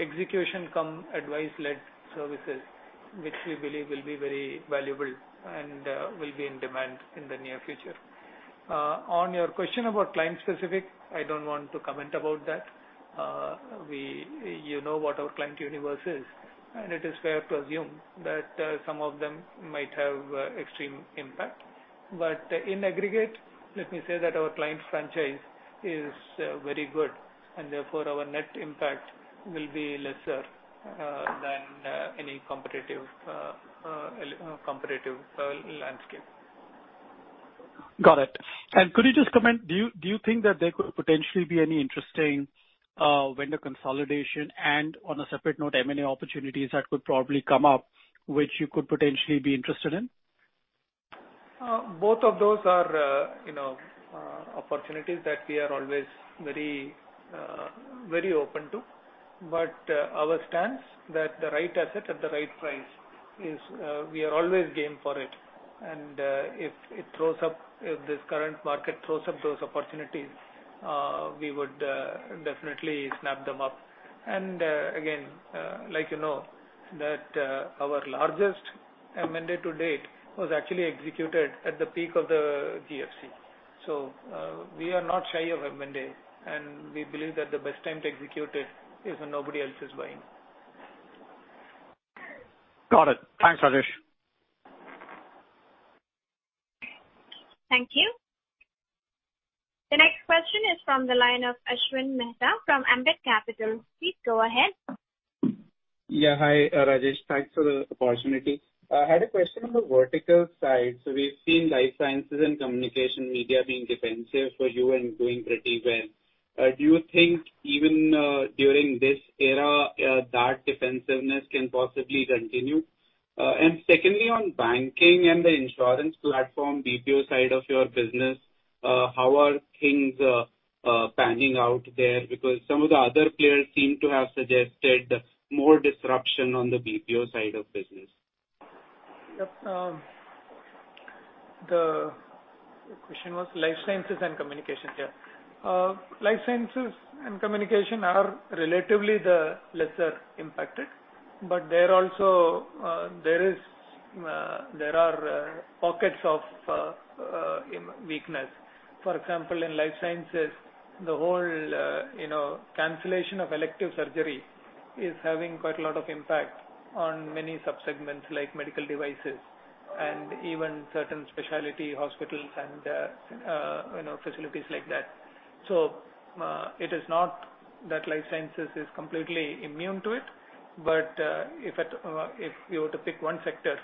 execution-cum advice-led services, which we believe will be very valuable and will be in demand in the near future. On your question about client-specific, I don't want to comment about that. You know what our client universe is, and it is fair to assume that some of them might have extreme impact. In aggregate, let me say that our client franchise is very good, and therefore our net impact will be lesser than any competitive landscape. Got it. Could you just comment, do you think that there could potentially be any interesting vendor consolidation and on a separate note, M&A opportunities that could probably come up which you could potentially be interested in? Both of those are opportunities that we are always very open to. Our stance that the right asset at the right price is we are always game for it. If this current market throws up those opportunities we would definitely snap them up. Again like you know that our largest M&A to date was actually executed at the peak of the GFC. We are not shy of M&A, and we believe that the best time to execute it is when nobody else is buying. Got it. Thanks, Rajesh. Thank you. The next question is from the line of Ashwin Mehta from Ambit Capital. Please go ahead. Yeah. Hi, Rajesh. Thanks for the opportunity. I had a question on the vertical side. We've seen life sciences and communication media being defensive for you and doing pretty well. Do you think even during this era that defensiveness can possibly continue? Secondly, on banking and the insurance platform, BPO side of your business, how are things panning out there? Because some of the other players seem to have suggested more disruption on the BPO side of business. Yep. The question was life sciences and communication. Yeah. Life sciences and communication are relatively the lesser impacted, but there are pockets of weakness. For example, in life sciences, the whole cancellation of elective surgery is having quite a lot of impact on many subsegments like medical devices. And even certain specialty hospitals and facilities like that. It is not that life sciences is completely immune to it, but if you were to pick one sector,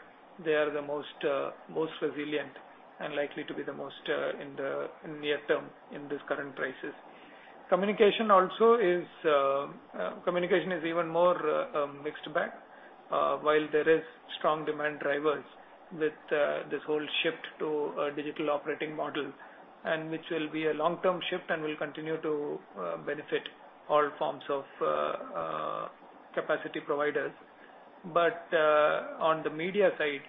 they are the most resilient and likely to be the most in the near term in this current crisis. Communication is even more mixed bag. While there is strong demand drivers with this whole shift to a digital operating model, and which will be a long-term shift and will continue to benefit all forms of capacity providers. On the media side,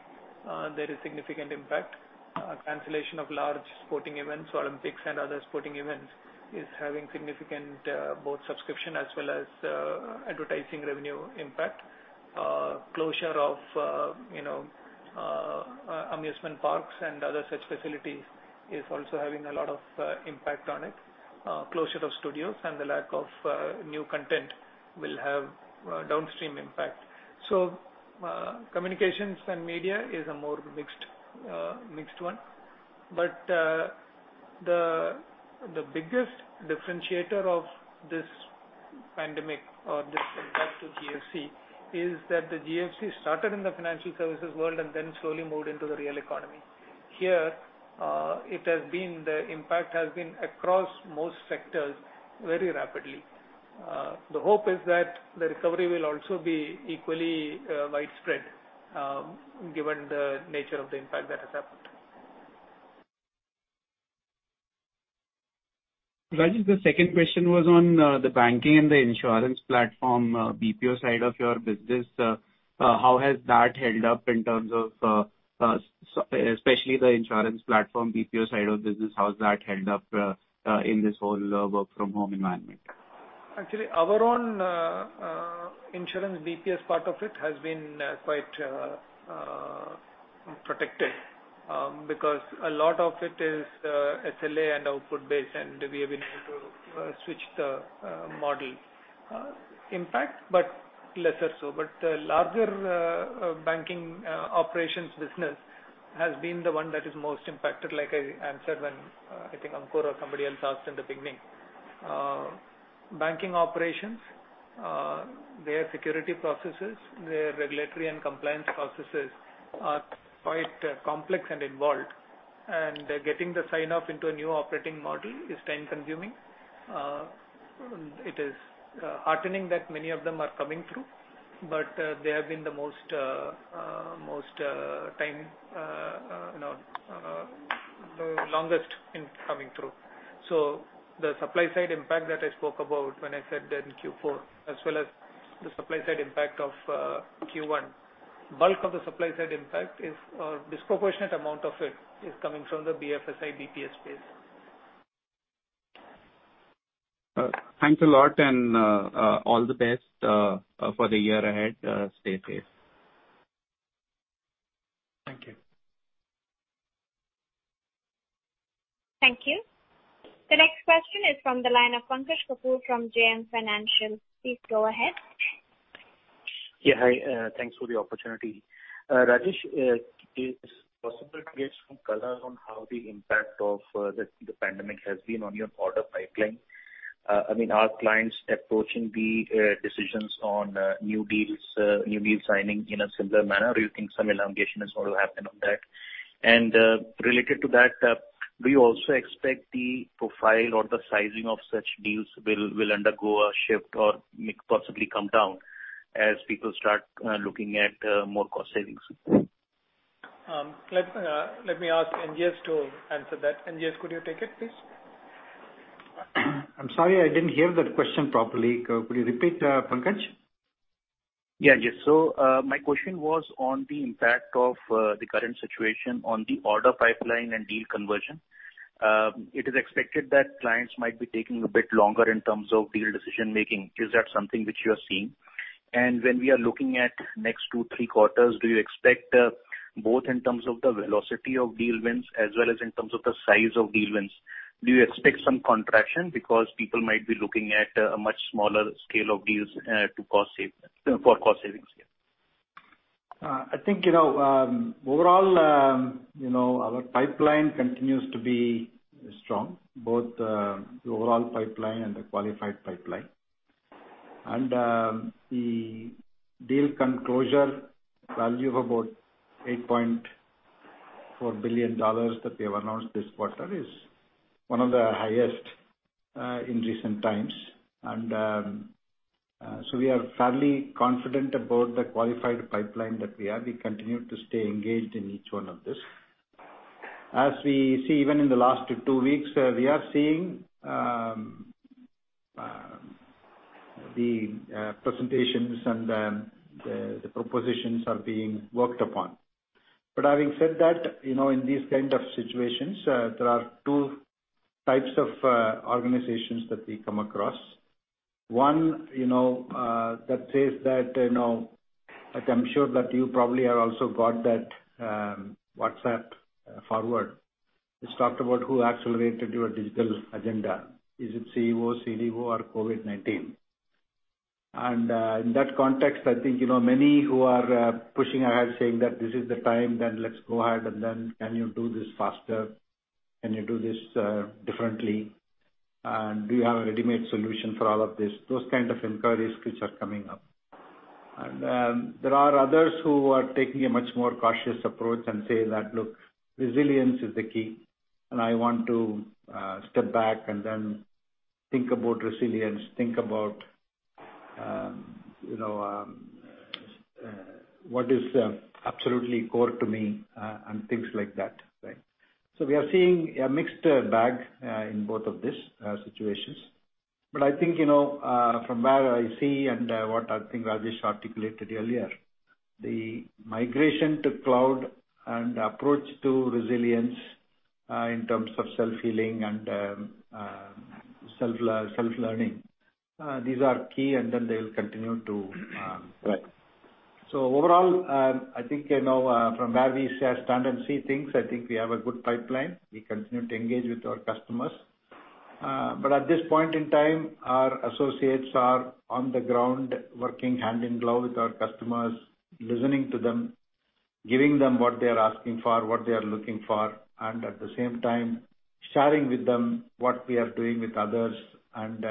there is significant impact. Cancellation of large sporting events, Olympics and other sporting events, is having significant both subscription as well as advertising revenue impact. Closure of amusement parks and other such facilities is also having a lot of impact on it. Closure of studios and the lack of new content will have downstream impact. Communications and media is a more mixed one. The biggest differentiator of this pandemic or this impact to GFC is that the GFC started in the financial services world and then slowly moved into the real economy. Here, the impact has been across most sectors very rapidly. The hope is that the recovery will also be equally widespread given the nature of the impact that has happened. Rajesh, the second question was on the banking and the insurance platform BPO side of your business. How has that held up in terms of, especially the insurance platform BPO side of business, in this whole work-from-home environment? Actually, our own insurance BPS part of it has been quite protected because a lot of it is SLA and output-based, and we have been able to switch the model impact, but lesser so. Larger banking operations business has been the one that is most impacted, like I answered when I think Ankur or somebody else asked in the beginning. Banking operations, their security processes, their regulatory and compliance processes are quite complex and involved, and getting the sign-off into a new operating model is time-consuming. It is heartening that many of them are coming through. They have been the longest in coming through. The supply side impact that I spoke about when I said that in Q4 as well as the supply side impact of Q1. Bulk of the supply side impact is a disproportionate amount of it is coming from the BFSI BPS space. Thanks a lot and all the best for the year ahead. Stay safe. Thank you. Thank you. The next question is from the line of Pankaj Kapoor from JM Financial. Please go ahead. Yeah, hi. Thanks for the opportunity. Rajesh, is it possible to get some color on how the impact of the pandemic has been on your order pipeline? Are clients approaching the decisions on new deals signing in a similar manner, or you think some elongation is going to happen on that? Related to that, do you also expect the profile or the sizing of such deals will undergo a shift or possibly come down as people start looking at more cost savings? Let me ask NGS to answer that. NGS, could you take it, please? I'm sorry, I didn't hear the question properly. Could you repeat, Pankaj? Yeah. My question was on the impact of the current situation on the order pipeline and deal conversion. It is expected that clients might be taking a bit longer in terms of deal decision-making. Is that something which you are seeing? When we are looking at next two, three quarters, do you expect both in terms of the velocity of deal wins as well as in terms of the size of deal wins, do you expect some contraction because people might be looking at a much smaller scale of deals for cost savings here? I think overall our pipeline continues to be strong both the overall pipeline and the qualified pipeline. The deal closure value of about $8.4 billion that we have announced this quarter is one of the highest in recent times. We are fairly confident about the qualified pipeline that we have. We continue to stay engaged in each one of this. As we see even in the last two weeks, we are seeing the presentations and the propositions are being worked upon. Having said that, in these kind of situations there are two types of organizations that we come across. One that says that I'm sure that you probably have also got that WhatsApp forward. It talked about who accelerated your digital agenda. Is it CEO, CDO or COVID-19? In that context, I think many who are pushing ahead saying that this is the time, then let's go ahead, and then can you do this faster? Can you do this differently? Do you have a readymade solution for all of this? Those kind of inquiries which are coming up. There are others who are taking a much more cautious approach and saying that, "Look, resilience is the key, and I want to step back and then think about resilience, think about what is absolutely core to me," and things like that. We are seeing a mixed bag in both of these situations. I think from where I see and what I think Rajesh articulated earlier, the migration to cloud and approach to resilience in terms of self-healing and self-learning, these are key and then they'll continue to- Right Overall, I think from where we stand and see things, I think we have a good pipeline. We continue to engage with our customers. At this point in time, our associates are on the ground working hand in glove with our customers, listening to them, giving them what they're asking for, what they're looking for, and at the same time, sharing with them what we are doing with others and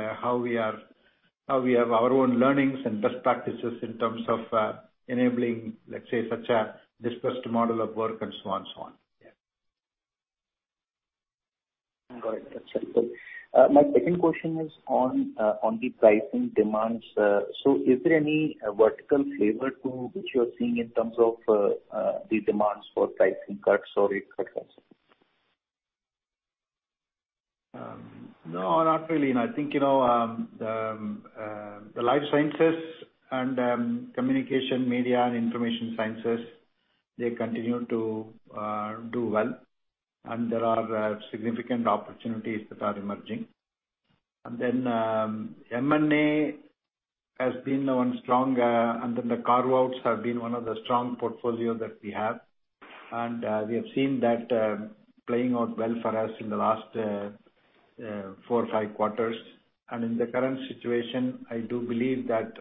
how we have our own learnings and best practices in terms of enabling, let's say, such a dispersed model of work and so on. Got it. That's helpful. My second question is on the pricing demands. Is there any vertical flavor to which you're seeing in terms of the demands for pricing cuts or rate cuts? No, not really. I think the life sciences and communication media and information sciences, they continue to do well, and there are significant opportunities that are emerging. M&A and then the carve-outs have been one of the strong portfolio that we have. We have seen that playing out well for us in the last four or five quarters. In the current situation, I do believe that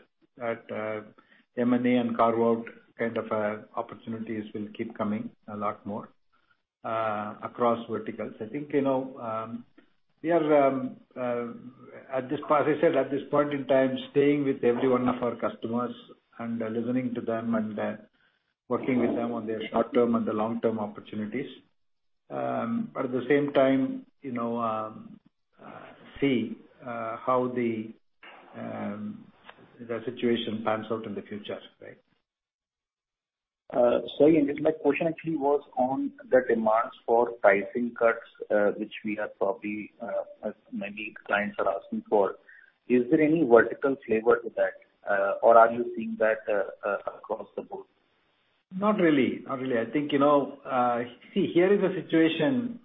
M&A and carve-out kind of opportunities will keep coming a lot more across verticals. I think as I said, at this point in time, staying with every one of our customers and listening to them and working with them on their short-term and the long-term opportunities. At the same time see how the situation pans out in the future. Sorry, my question actually was on the demands for pricing cuts, which we have probably, as many clients are asking for. Is there any vertical flavor to that? Or are you seeing that across the board? Not really. I think, here is a situation,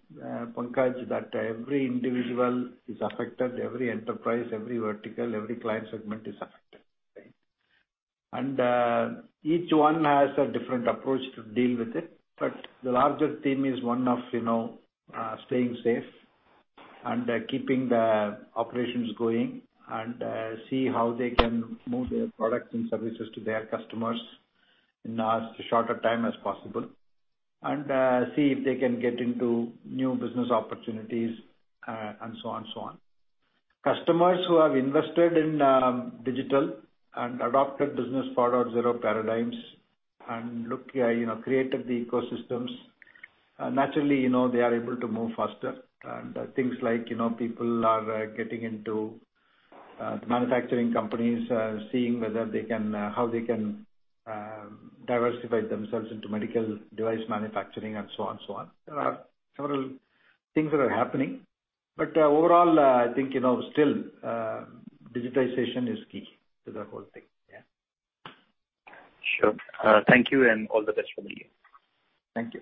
Pankaj, that every individual is affected, every enterprise, every vertical, every client segment is affected. Right? Each one has a different approach to deal with it. The larger theme is one of staying safe and keeping the operations going and see how they can move their products and services to their customers in as shorter time as possible, and see if they can get into new business opportunities, and so on. Customers who have invested in digital and adopted Business 4.0 paradigms and created the ecosystems, naturally they are able to move faster. Things like people are getting into the manufacturing companies, seeing how they can diversify themselves into medical device manufacturing, and so on. There are several things that are happening, but overall, I think still digitization is key to the whole thing. Yeah. Sure. Thank you and all the best from you. Thank you.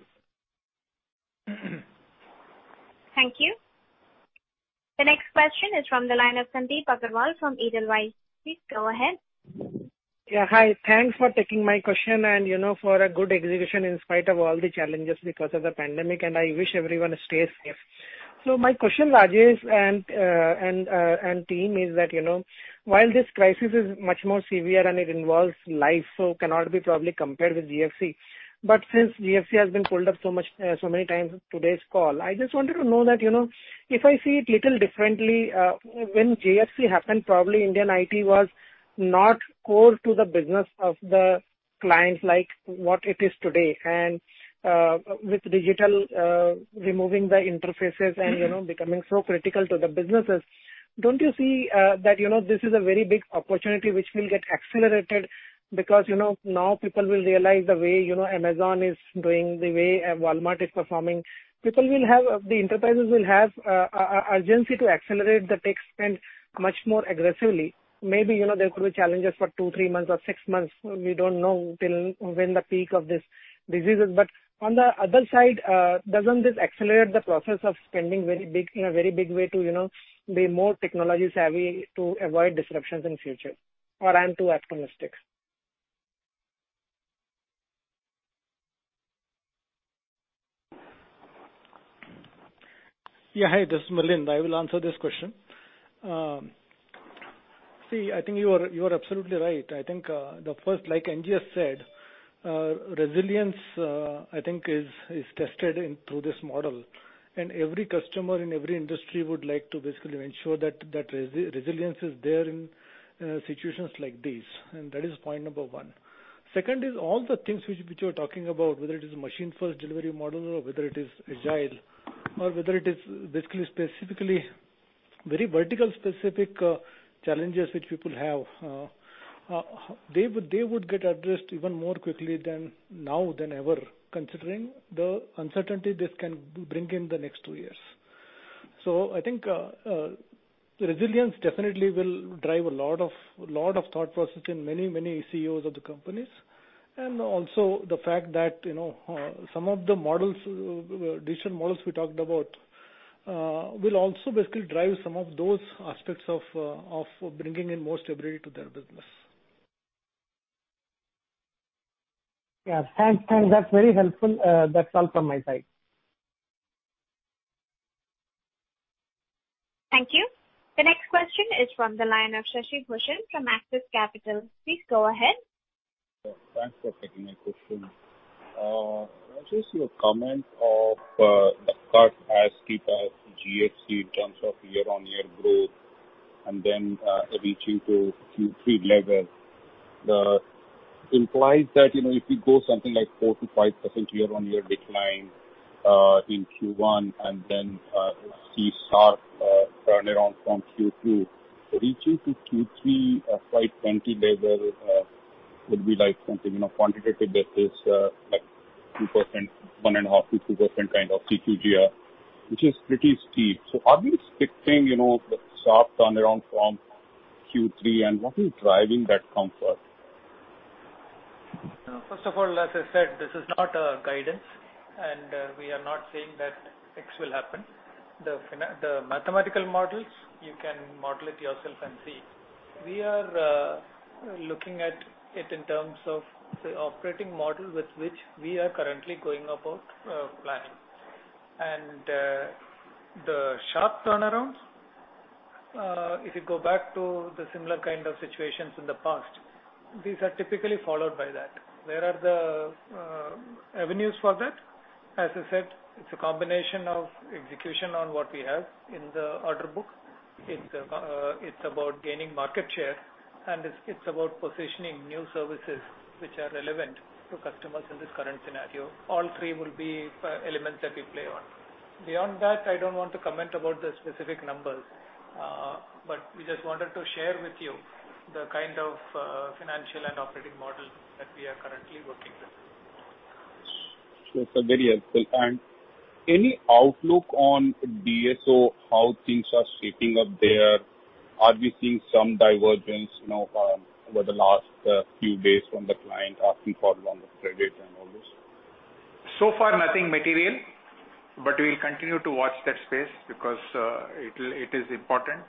Thank you. The next question is from the line of Sandip Agarwal from Edelweiss. Please go ahead. Yeah. Hi. Thanks for taking my question and for a good execution in spite of all the challenges because of the pandemic, and I wish everyone stays safe. My question, Rajesh and team, is that while this crisis is much more severe and it involves life, cannot be probably compared with GFC. Since GFC has been pulled up so many times in today's call, I just wanted to know that if I see it little differently, when GFC happened, probably Indian IT was not core to the business of the clients like what it is today. With digital removing the interfaces and becoming so critical to the businesses, don't you see that this is a very big opportunity which will get accelerated because now people will realize the way Amazon is doing, the way Walmart is performing. The enterprises will have urgency to accelerate the tech spend much more aggressively. Maybe there could be challenges for two, three months or six months. We don't know till when the peak of this disease is. On the other side, doesn't this accelerate the process of spending in a very big way to be more technology-savvy to avoid disruptions in future? I'm too optimistic? Yeah. Hi, this is Milind. I will answer this question. See, I think you are absolutely right. I think the first, like NGS said, resilience I think is tested through this model, and every customer in every industry would like to basically ensure that resilience is there in situations like this, and that is point number 1. Second is all the things which you're talking about, whether it is Machine First Delivery Model or whether it is Agile or whether it is basically, specifically very vertical specific challenges which people have. They would get addressed even more quickly now than ever considering the uncertainty this can bring in the next two years. I think resilience definitely will drive a lot of thought process in many, many CEOs of the companies, and also the fact that some of the additional models we talked about will also basically drive some of those aspects of bringing in more stability to their business. Yeah. Thanks. That's very helpful. That's all from my side. Thank you. The next question is from the line of Shashi Bhushan from Axis Capital. Please go ahead. Thanks for taking my question. Rajesh, your comment of the cut as steep as GFC in terms of year-on-year growth and then reaching to Q3 level implies that if we go something like 4%-5% year-on-year decline in Q1 and then see sharp turnaround from Q2 reaching to Q3 FY 2020 level would be something quantitative that is 2%, 1.5%-2% kind of TCGR, which is pretty steep. Are we expecting the sharp turnaround from Q3, and what is driving that comfort? First of all, as I said, this is not a guidance and we are not saying that X will happen. The mathematical models, you can model it yourself and see. We are looking at it in terms of the operating model with which we are currently going about planning. The sharp turnarounds, if you go back to the similar kind of situations in the past, these are typically followed by that. Where are the avenues for that? As I said, it's a combination of execution on what we have in the order book. It's about gaining market share and it's about positioning new services which are relevant to customers in this current scenario. All three will be elements that we play on. Beyond that, I don't want to comment about the specific numbers. We just wanted to share with you the kind of financial and operating model that we are currently working with. Sure, sir. Very helpful. Any outlook on DSO, how things are shaping up there? Are we seeing some divergence over the last few days from the client asking for longer credit and all this? Far nothing material, but we'll continue to watch that space because it is important.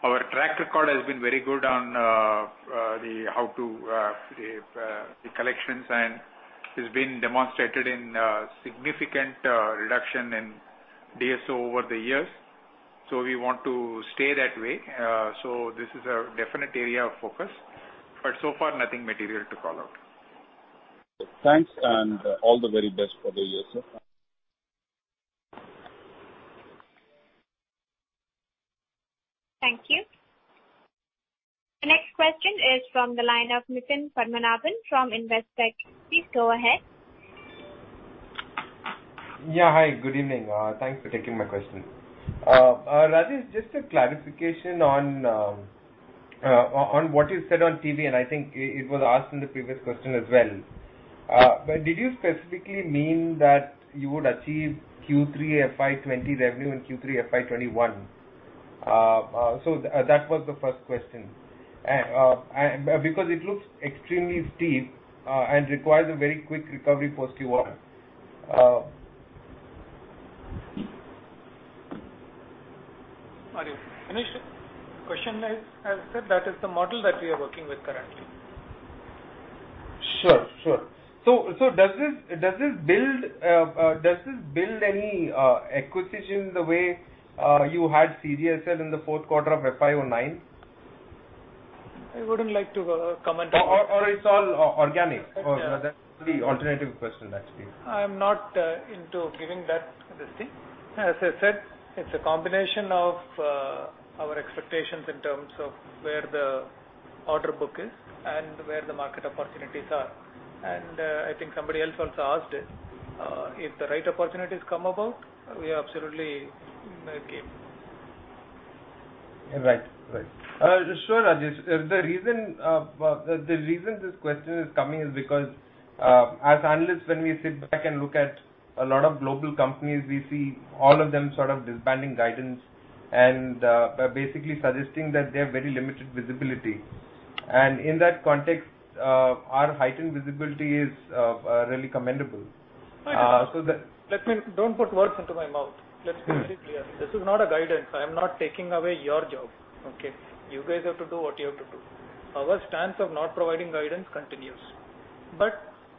Our track record has been very good on the collections and it's been demonstrated in significant reduction in DSO over the years. We want to stay that way. This is a definite area of focus, but so far nothing material to call out. Thanks and all the very best for the year, sir. Thank you. The next question is from the line of Nitin Padmanabhan from Investec. Please go ahead. Yeah. Hi, good evening. Thanks for taking my question. Rajesh, just a clarification on what you said on TCV, and I think it was asked in the previous question as well. Did you specifically mean that you would achieve Q3 FY 2020 revenue in Q3 FY 2021? That was the first question. It looks extremely steep and requires a very quick recovery post Q1. Got you. Manish, the question is, as said, that is the model that we are working with currently. Sure. Does this build any acquisition the way you had CDSL in the fourth quarter of FY 2009? I wouldn't like to comment on- It's all organic? That's the alternative question actually. I'm not into giving that, you see. As I said, it's a combination of our expectations in terms of where the order book is and where the market opportunities are. I think somebody else also asked it. If the right opportunities come about, we are absolutely game. Right. Sure, Rajesh. The reason this question is coming is because as analysts when we sit back and look at a lot of global companies, we see all of them sort of disbanding guidance and basically suggesting that they have very limited visibility. In that context, our heightened visibility is really commendable. Don't put words into my mouth. Let's be clear. This is not a guidance. I'm not taking away your job. Okay. You guys have to do what you have to do. Our stance of not providing guidance continues.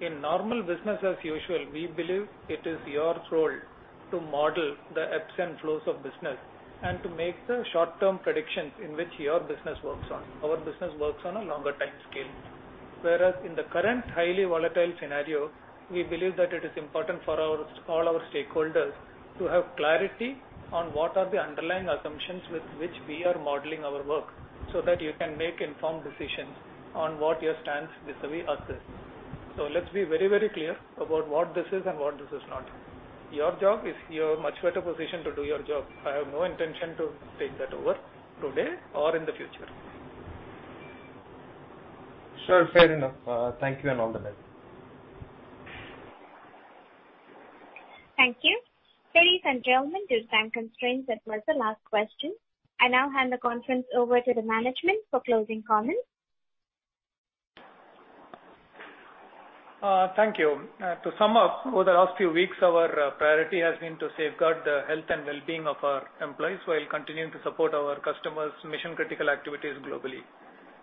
In normal business as usual, we believe it is your role to model the ebbs and flows of business and to make the short-term predictions in which your business works on. Our business works on a longer timescale. In the current highly volatile scenario, we believe that it is important for all our stakeholders to have clarity on what are the underlying assumptions with which we are modeling our work, so that you can make informed decisions on what your stance vis-a-vis us is. Let's be very clear about what this is and what this is not. You're much better positioned to do your job. I have no intention to take that over today or in the future. Sure. Fair enough. Thank you and all the best. Thank you. Ladies and gentlemen, due to time constraints, that was the last question. I now hand the conference over to the management for closing comments. Thank you. To sum up, over the last few weeks, our priority has been to safeguard the health and well-being of our employees while continuing to support our customers' mission-critical activities globally.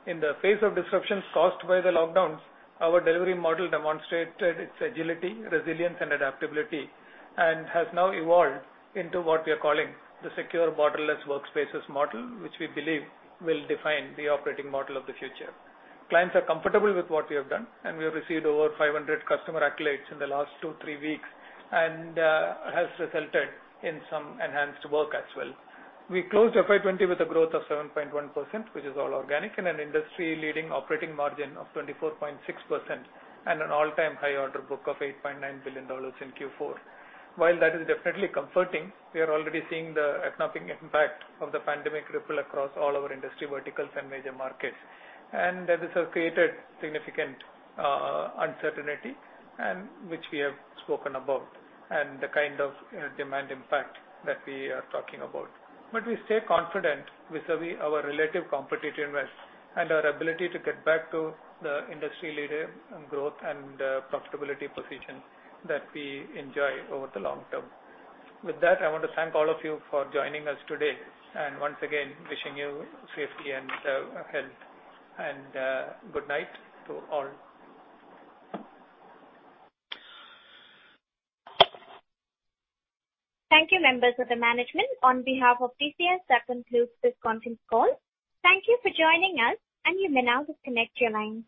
In the face of disruptions caused by the lockdowns, our delivery model demonstrated its agility, resilience, and adaptability, and has now evolved into what we are calling the Secure Borderless Workspaces Model, which we believe will define the operating model of the future. Clients are comfortable with what we have done, and we have received over 500 customer accolades in the last two, three weeks, and has resulted in some enhanced work as well. We closed FY 2020 with a growth of 7.1%, which is all organic, and an industry-leading operating margin of 24.6%, and an all-time high order book of $8.9 billion in Q4. While that is definitely comforting, we are already seeing the economic impact of the pandemic ripple across all our industry verticals and major markets. This has created significant uncertainty, which we have spoken about, and the kind of demand impact that we are talking about. We stay confident vis-a-vis our relative competitiveness and our ability to get back to the industry-leading growth and profitability positions that we enjoy over the long term. With that, I want to thank all of you for joining us today, and once again, wishing you safety and health. Good night to all. Thank you, members of the management. On behalf of TCS, that concludes this conference call. Thank you for joining us, and you may now disconnect your lines.